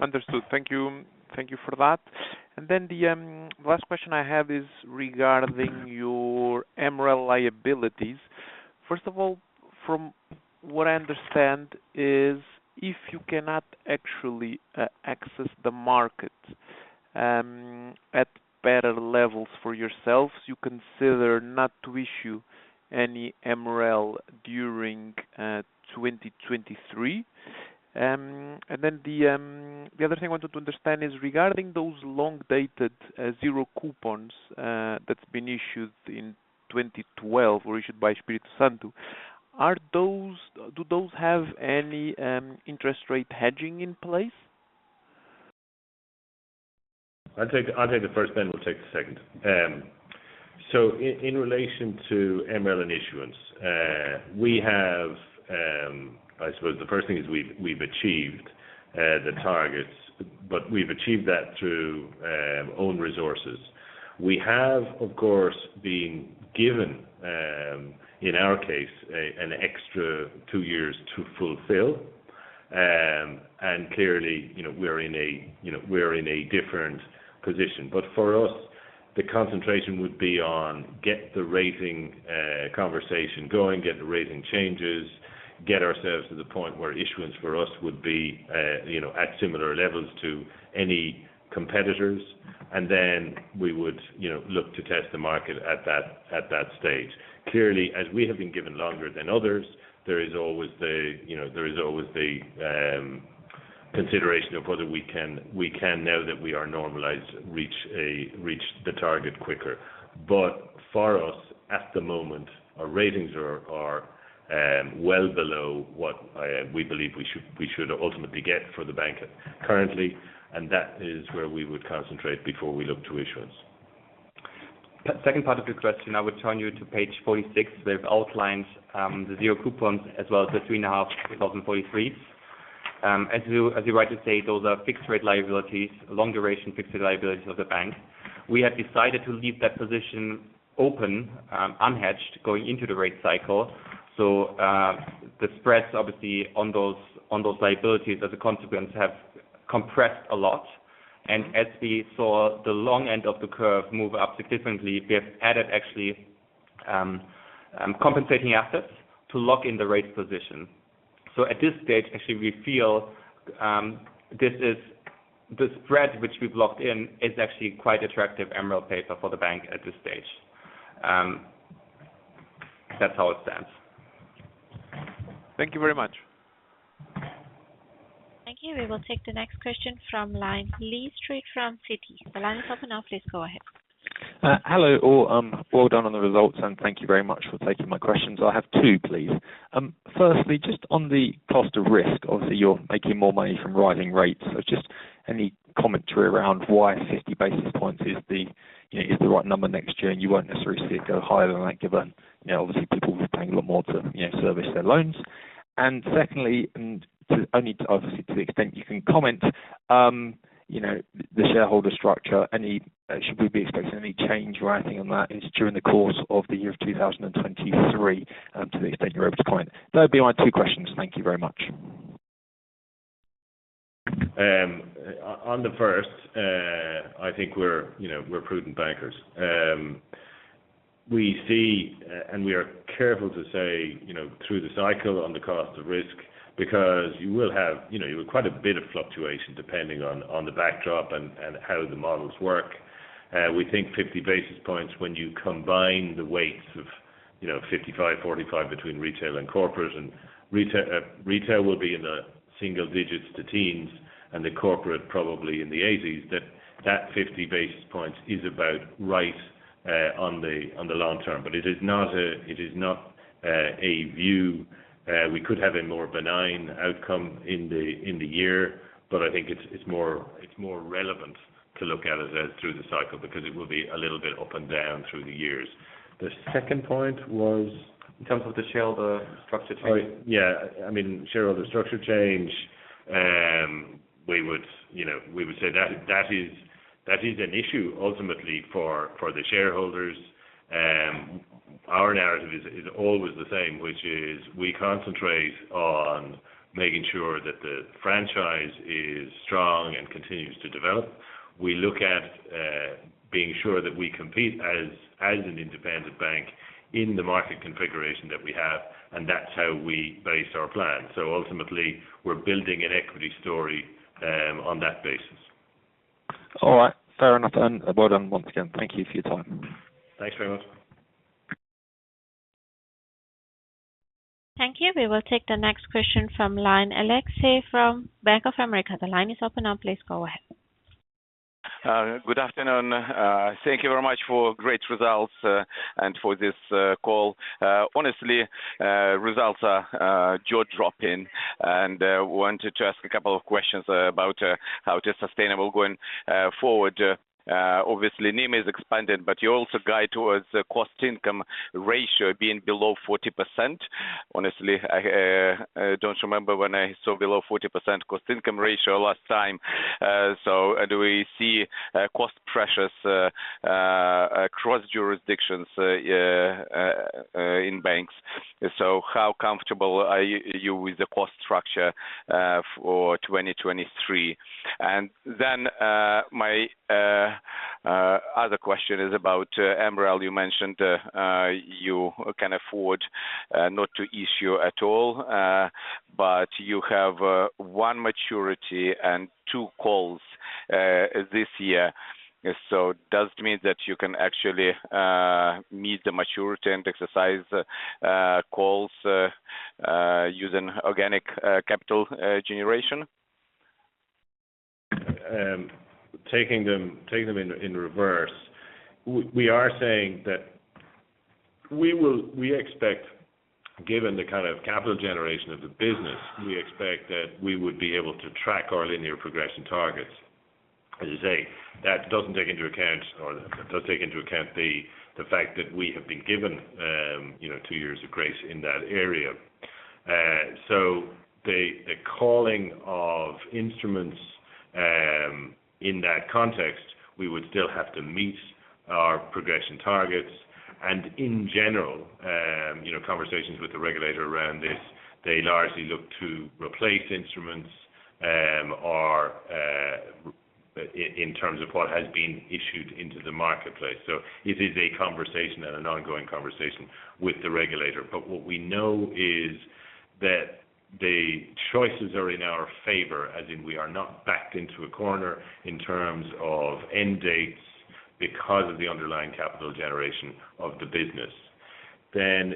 Understood. Thank you. Thank you for that. Last question I have is regarding your MREL liabilities. First of all, from what I understand is if you cannot actually access the market at better levels for yourselves, you consider not to issue any MREL during 2023. The other thing I wanted to understand is regarding those long dated zero coupons that's been issued in 2012 or issued by Espírito Santo, do those have any interest rate hedging in place? I'll take the first, then we'll take the second. In relation to MREL and issuance, we have I suppose the first thing is we've achieved the targets, but we've achieved that through own resources. We have, of course, been given in our case, an extra two years to fulfill. Clearly, you know, we're in a, you know, we're in a different position. For us, the concentration would be on get the rating conversation going, get the rating changes, get ourselves to the point where issuance for us would be, you know, at similar levels to any competitors. Then we would, you know, look to test the market at that stage. Clearly, as we have been given longer than others, there is always the, you know, the consideration of whether we can now that we are normalized, reach the target quicker. For us, at the moment, our ratings are well below what we believe we should ultimately get for the bank currently, and that is where we would concentrate before we look to issuance. Second part of your question, I would turn you to page 46. We've outlined the zero coupons as well as the 3.5 2043s. As you rightly say, those are fixed rate liabilities, long duration fixed rate liabilities of the bank. We have decided to leave that position open, unhedged going into the rate cycle. The spreads obviously on those liabilities as a consequence have compressed a lot. As we saw the long end of the curve move up significantly, we have added actually compensating assets to lock in the rate position. At this stage, actually we feel this is the spread which we've locked in is actually quite attractive MREL paper for the bank at this stage. That's how it stands. Thank you very much. Thank you. We will take the next question from line Lee Street from Citi. The line is open now. Please go ahead. Hello all. Well done on the results. Thank you very much for taking my questions. I have two, please. Firstly, just on the cost of risk, obviously you're making more money from rising rates. Just any commentary around why 50 basis points is the, you know, is the right number next year, and you won't necessarily see it go higher than that given, you know, obviously people will be paying a lot more to, you know, service their loans. Secondly, to only to obviously to the extent you can comment, you know, the shareholder structure, any, should we be expecting any change or anything on that during the course of the year of 2023, to the extent you're able to comment? That would be my two questions. Thank you very much. On the first, I think we're, you know, we're prudent bankers. We see, and we are careful to say, you know, through the cycle on the cost of risk, because you will have, you know, you have quite a bit of fluctuation depending on the backdrop and how the models work. We think 50 basis points when you combine the weights of, you know, 55, 45 between retail and corporate. Retail, retail will be in the single digits to teens, and the corporate probably in the 80s. That 50 basis points is about right, on the long term. It is not a, it is not a view. We could have a more benign outcome in the year, I think it's more relevant to look at it as through the cycle because it will be a little bit up and down through the years. The second point was? In terms of the shareholder structure change. Oh, yeah. I mean, shareholder structure change, we would, you know, we would say that is, that is an issue ultimately for the shareholders. Our narrative is always the same, which is we concentrate on making sure that the franchise is strong and continues to develop. We look at, being sure that we compete as an independent bank in the market configuration that we have, and that's how we base our plan. Ultimately, we're building an equity story, on that basis. All right. Fair enough, and well done once again. Thank you for your time. Thanks very much. Thank you. We will take the next question from Alexey from Bank of America. The line is open now. Please go ahead. Good afternoon. Thank you very much for great results and for this call. Honestly, results are jaw-dropping, wanted to ask a couple of questions about how it is sustainable going forward. Obviously NIM has expanded, you also guide towards the cost income ratio being below 40%. Honestly, I don't remember when I saw below 40% cost income ratio last time. Do we see cost pressures across jurisdictions in banks? How comfortable are you with the cost structure for 2023? My other question is about MREL. You mentioned you can afford not to issue at all, you have one maturity and two calls this year. Does it mean that you can actually meet the maturity and exercise calls using organic capital generation? Taking them in reverse. We expect, given the kind of capital generation of the business, we expect that we would be able to track our linear progression targets. As you say, that doesn't take into account or does take into account the fact that we have been given, you know, two years of grace in that area. The calling of instruments, in that context, we would still have to meet our progression targets. In general, you know, conversations with the regulator around this, they largely look to replace instruments, or in terms of what has been issued into the marketplace. It is a conversation and an ongoing conversation with the regulator. What we know is that the choices are in our favor, as in we are not backed into a corner in terms of end dates because of the underlying capital generation of the business.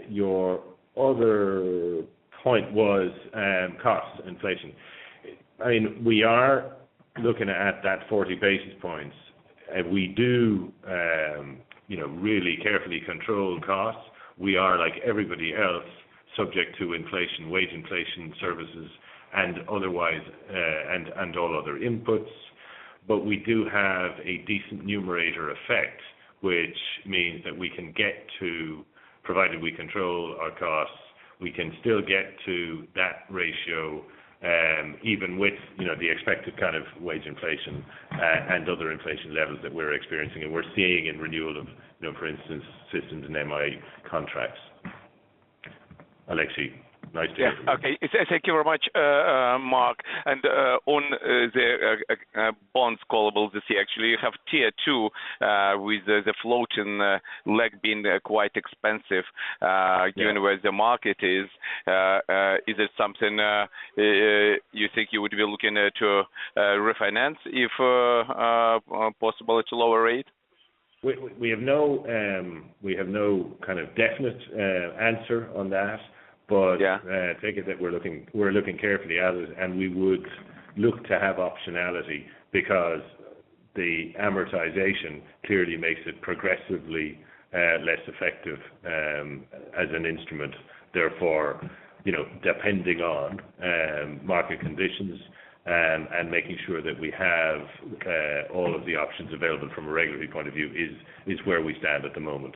Your other point was, cost inflation. I mean, we are looking at that 40 basis points. We do, you know, really carefully control costs. We are, like everybody else, subject to inflation, wage inflation, services, and otherwise, and all other inputs. We do have a decent numerator effect, which means that we can get to, provided we control our costs, we can still get to that ratio, even with, you know, the expected kind of wage inflation, and other inflation levels that we're experiencing and we're seeing in renewal of, you know, for instance, systems and MI contracts. Alexey, nice to hear from you. Yeah. Okay. Thank you very much, Mark. On the bonds callable this year, actually, you have Tier 2 with the floating leg being quite expensive. Yeah. Given where the market is it something you think you would be looking at to refinance if possible at a lower rate? We have no kind of definite answer on that. Yeah. Take it that we're looking carefully at it, and we would look to have optionality because the amortization clearly makes it progressively, less effective, as an instrument. Therefore, you know, depending on market conditions, and making sure that we have all of the options available from a regulatory point of view is where we stand at the moment.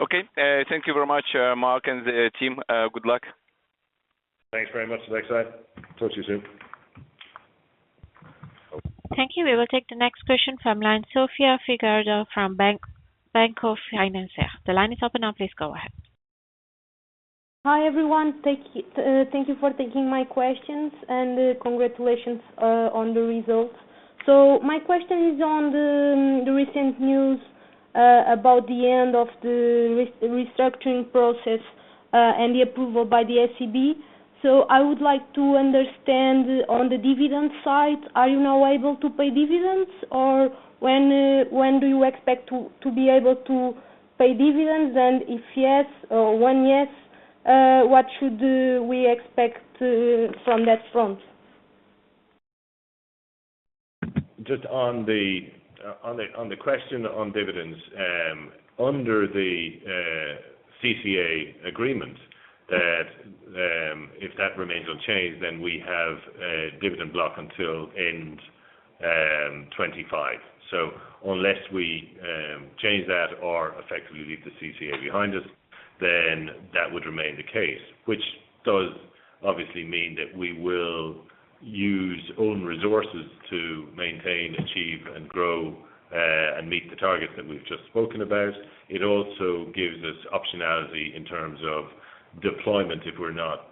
Okay. Thank you very much, Mark and the team. Good luck. Thanks very much, Alexey. Talk to you soon. Thank you. We will take the next question from line, Sofia Figueiredo from Bank, Banco Finantia. The line is open now. Please go ahead. Hi, everyone. Thank you for taking my questions, and congratulations on the results. My question is on the recent news about the end of the restructuring process and the approval by the EC. I would like to understand on the dividend side, are you now able to pay dividends? Or when do you expect to be able to pay dividends? If yes or when yes, what should we expect from that front? Just on the question on dividends. Under the CCA agreement that, if that remains unchanged, we have a dividend block until end 25. Unless we change that or effectively leave the CCA behind us. That would remain the case, which does obviously mean that we will use own resources to maintain, achieve, and grow and meet the targets that we've just spoken about. It also gives us optionality in terms of deployment if we're not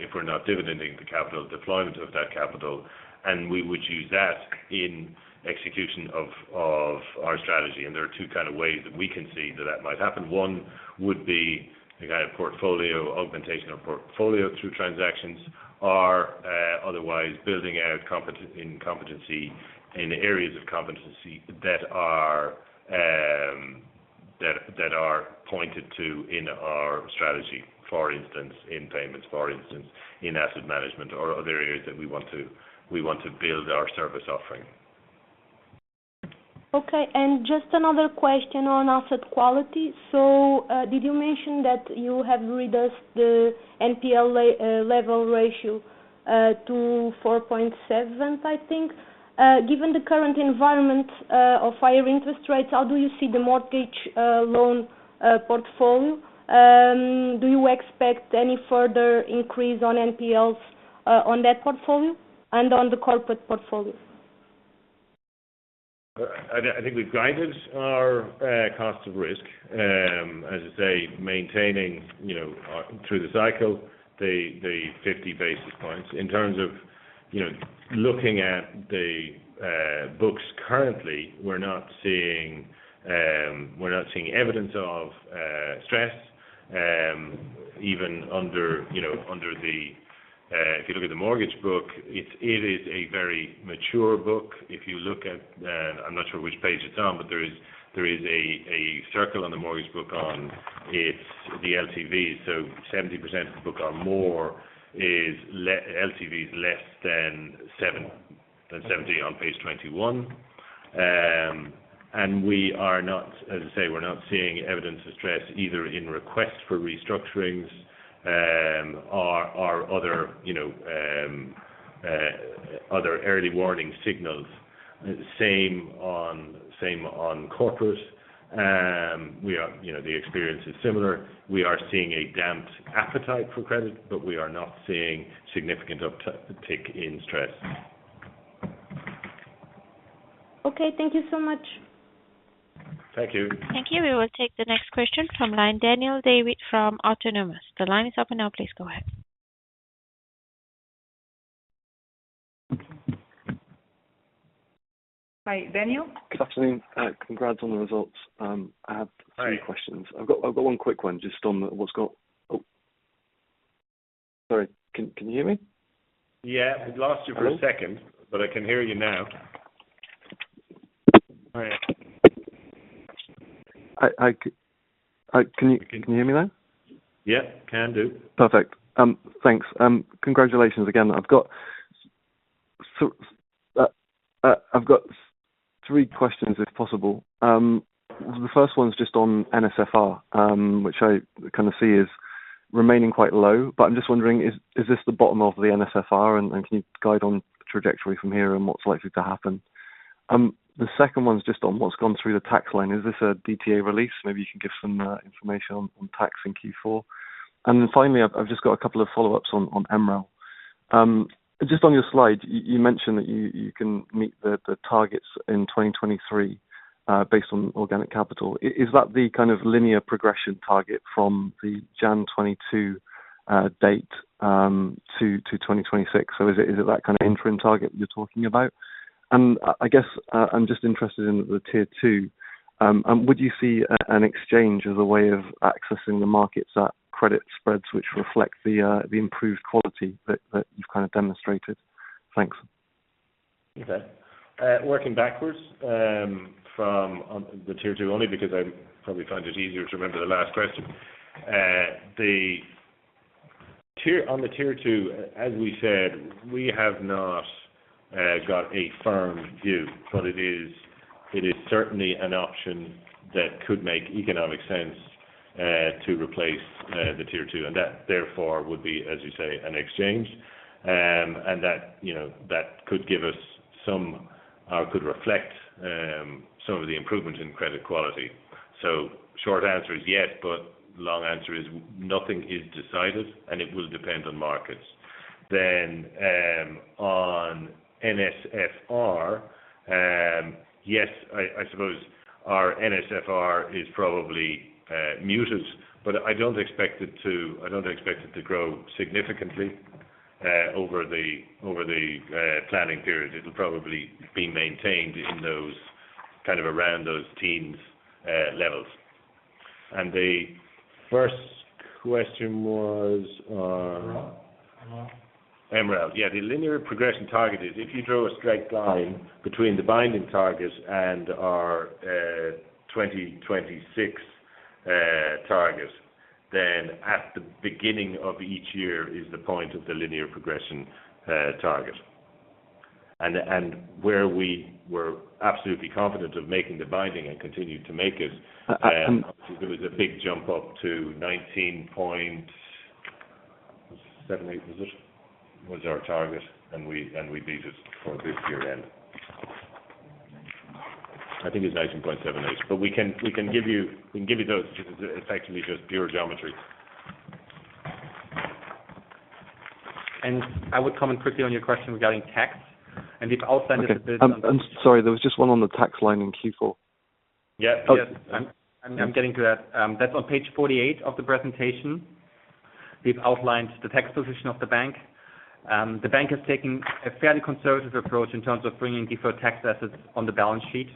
if we're not dividending the capital deployment of that capital, and we would use that in execution of our strategy. There are two kind of ways that we can see that that might happen. One would be the kind of portfolio augmentation or portfolio through transactions, or otherwise building out in competency in areas of competency that are pointed to in our strategy, for instance, in payments, for instance, in asset management or other areas that we want to build our service offering. Just another question on asset quality. Did you mention that you have reduced the NPL level ratio to 4.7, I think. Given the current environment of higher interest rates, how do you see the mortgage loan portfolio? Do you expect any further increase on NPLs on that portfolio and on the corporate portfolio? I think we've guided our cost of risk. As I say, maintaining, you know, through the cycle, the 50 basis points. In terms of, you know, looking at the books currently, we're not seeing, we're not seeing evidence of stress, even under, you know, if you look at the mortgage book, it is a very mature book. If you look at, I'm not sure which page it's on, but there is a circle on the mortgage book on its, the LTV. 70% of the book or more is LTVs less than 70 on page 21. We are not, as I say, we're not seeing evidence of stress either in request for restructurings, or other, you know, other early warning signals. Same on, same on corporate. We are, you know, the experience is similar. We are seeing a damped appetite for credit, but we are not seeing significant uptick in stress. Okay, thank you so much. Thank you. Thank you. We will take the next question from line, Daniel David from Autonomous. The line is open now, please go ahead. Hi, Daniel. Good afternoon. congrats on the results. I have three questions. Hi. I've got one quick one. Oh, sorry. Can you hear me? Yeah. We lost you for a second, but I can hear you now. All right. Can you hear me now? Yeah, can do. Perfect. Thanks. Congratulations again. I've got three questions, if possible. The first one is just on NSFR, which I kind of see is remaining quite low. I'm just wondering, is this the bottom of the NSFR? Can you guide on trajectory from here and what's likely to happen? The second one's just on what's gone through the tax line. Is this a DTA release? Maybe you can give some information on tax in Q4. Finally, I've just got a couple of follow-ups on MREL. Just on your slide, you mentioned that you can meet the targets in 2023 based on organic capital. Is that the kind of linear progression target from the Jan 2022 date to 2026? Is it that kind of interim target you're talking about? I guess, I'm just interested in the Tier 2. Would you see an exchange as a way of accessing the markets at credit spreads which reflect the improved quality that you've kind of demonstrated? Thanks. Okay. Working backwards, from on the Tier 2 only because I probably find it easier to remember the last question. On the Tier 2, as we said, we have not got a firm view, but it is certainly an option that could make economic sense to replace the Tier 2. That, therefore, would be, as you say, an exchange. That, you know, that could give us some, could reflect some of the improvement in credit quality. Short answer is yes, but long answer is nothing is decided, and it will depend on markets. On NSFR, yes, I suppose our NSFR is probably muted. I don't expect it to grow significantly over the planning period. It'll probably be maintained in those kind of around those teens, levels. The first question was on... MREL. MREL. Yeah, the linear progression target is if you draw a straight line between the binding targets and our 2026 target, then at the beginning of each year is the point of the linear progression target. Where we were absolutely confident of making the binding and continued to make it. Uh, um- there was a big jump up to 19.78, was it? Was our target, and we beat it for this year end. I think it's 19.78. We can give you those. It's actually just pure geometry. I would comment quickly on your question regarding tax. If I'll send you I'm sorry. There was just 1 on the tax line in Q4. Yes. I'm getting to that. That's on page 48 of the presentation. We've outlined the tax position of the bank. The bank is taking a fairly conservative approach in terms of bringing deferred tax assets on the balance sheet.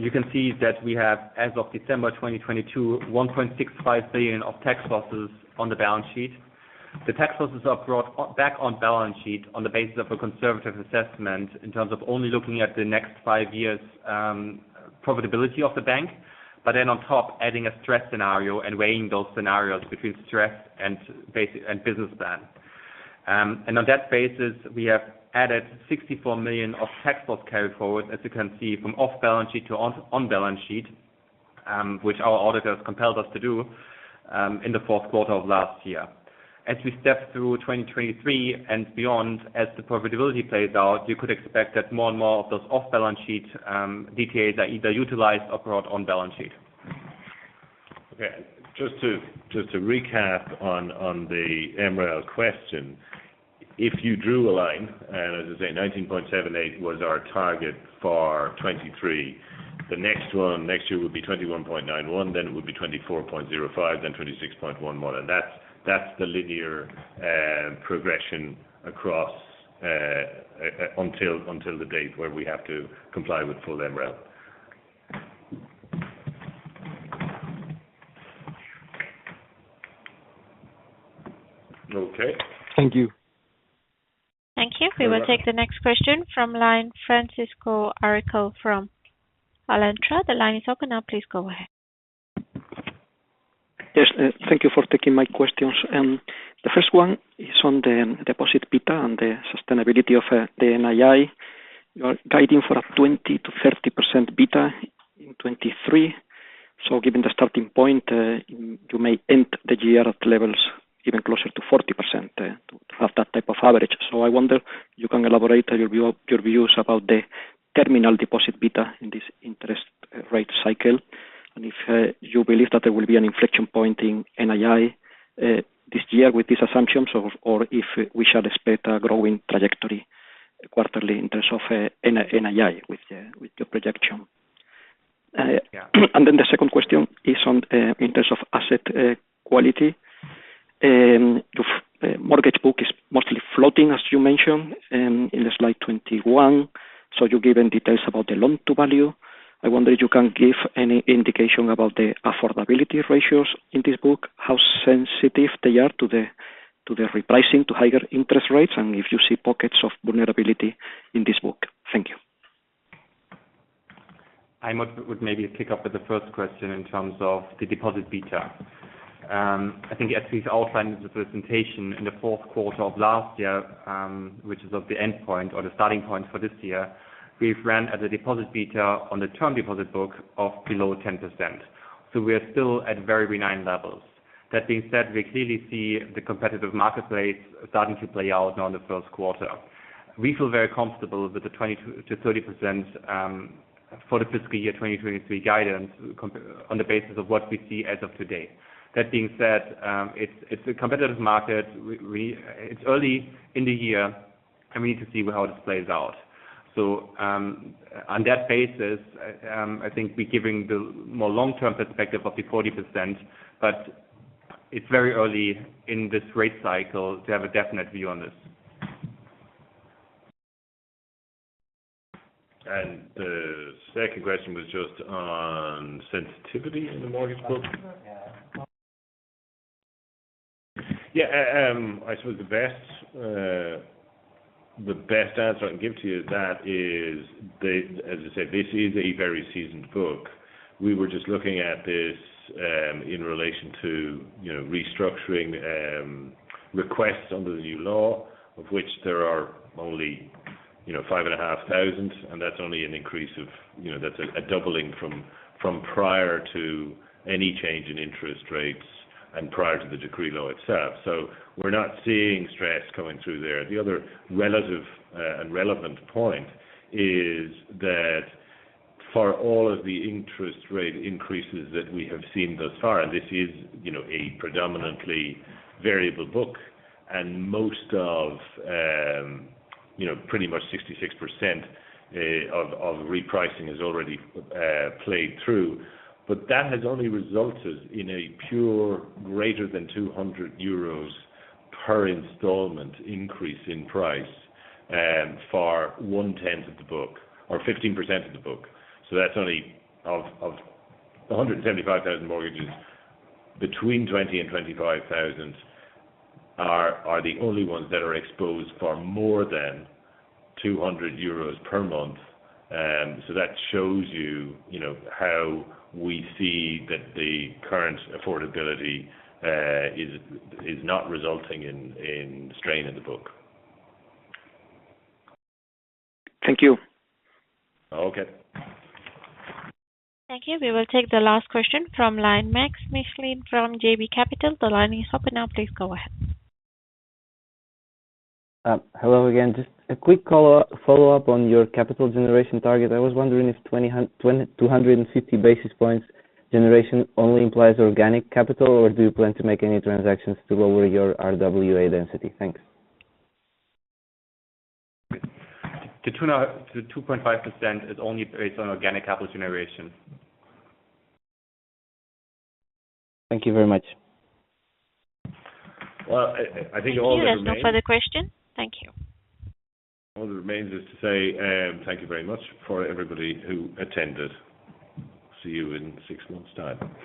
You can see that we have, as of December 2022, 1.65 billion of tax losses on the balance sheet. The tax losses are brought back on balance sheet on the basis of a conservative assessment in terms of only looking at the next five years, profitability of the bank. On top, adding a stress scenario and weighing those scenarios between stress and basic, and business plan. On that basis, we have added 64 million of tax loss carry forward, as you can see, from off balance sheet to on balance sheet, which our auditors compelled us to do in the fourth quarter of last year. As we step through 2023 and beyond, as the profitability plays out, you could expect that more and more of those off balance sheet, details are either utilized or brought on balance sheet. Okay. Just to recap on the MREL question. If you drew a line, and as I say, 19.78 was our target for 2023, the next one next year would be 21.91, then it would be 24.05, then 26.11. That's the linear progression across until the date where we have to comply with full MREL. Okay. Thank you. Thank you. You're welcome. We will take the next question from line, Francisco Aricó from Alantra. The line is open now, please go ahead. Yes. Thank you for taking my questions. The first one is on the deposit beta and the sustainability of the NII. You're guiding for a 20%-30% beta in 2023. Given the starting point, you may end the year at levels even closer to 40%, to have that type of average. I wonder you can elaborate your views about the terminal deposit beta in this interest rate cycle, and if you believe that there will be an inflection point in NII this year with these assumptions of... If we should expect a growing trajectory quarterly in terms of NII with the, with the projection? Yeah. The second question is on in terms of asset quality. Your mortgage book is mostly floating, as you mentioned, in the slide 21. You've given details about the loan-to-value. I wonder if you can give any indication about the affordability ratios in this book, how sensitive they are to the repricing, to higher interest rates, and if you see pockets of vulnerability in this book. Thank you. I would maybe pick up with the first question in terms of the deposit beta. I think as we've outlined in the presentation, in the fourth quarter of last year, which is of the end point or the starting point for this year, we've ran as a deposit beta on the term deposit book of below 10%. We are still at very benign levels. That being said, we clearly see the competitive marketplace starting to play out now in the first quarter. We feel very comfortable with the 20%-30%, for the fiscal year 2023 guidance on the basis of what we see as of today. That being said, it's a competitive market. It's early in the year. We need to see how this plays out. On that basis, I think we're giving the more long-term perspective of the 40%, but it's very early in this rate cycle to have a definite view on this. The second question was just on sensitivity in the mortgage book. Yeah. e best answer I can give to you that is, as I said, this is a very seasoned book. We were just looking at this in relation to, you know, restructuring requests under the new law, of which there are only, you know, 5,500, and that's only an increase of, you know, that's a doubling from prior to any change in interest rates and prior to the decree law itself. We're not seeing stress coming through there. The other relative and relevant point is that for all of the interest rate increases that we have seen thus far, and this is, you know, a predominantly variable book, and most of, you know, pretty much 66% of repricing is already played through That has only resulted in a pure greater than 200 euros per installment increase in price for one-tenth of the book or 15% of the book. That's only of 175,000 mortgages between 20,000 and 25,000 are the only ones that are exposed for more than 200 euros per month. That shows you know, how we see that the current affordability is not resulting in strain in the book. Thank you. Okay. Thank you. We will take the last question from line, Max Michelin from JP Capital. The line is open now, please go ahead. Hello again. Just a quick follow-up on your capital generation target. I was wondering if 250 basis points generation only implies organic capital, or do you plan to make any transactions to lower your RWA density? Thanks. The 2.5% is only based on organic capital generation. Thank you very much. Well I think all that remains... Thank you. There's no further question. Thank you. All that remains is to say thank you very much for everybody who attended. See you in six months' time.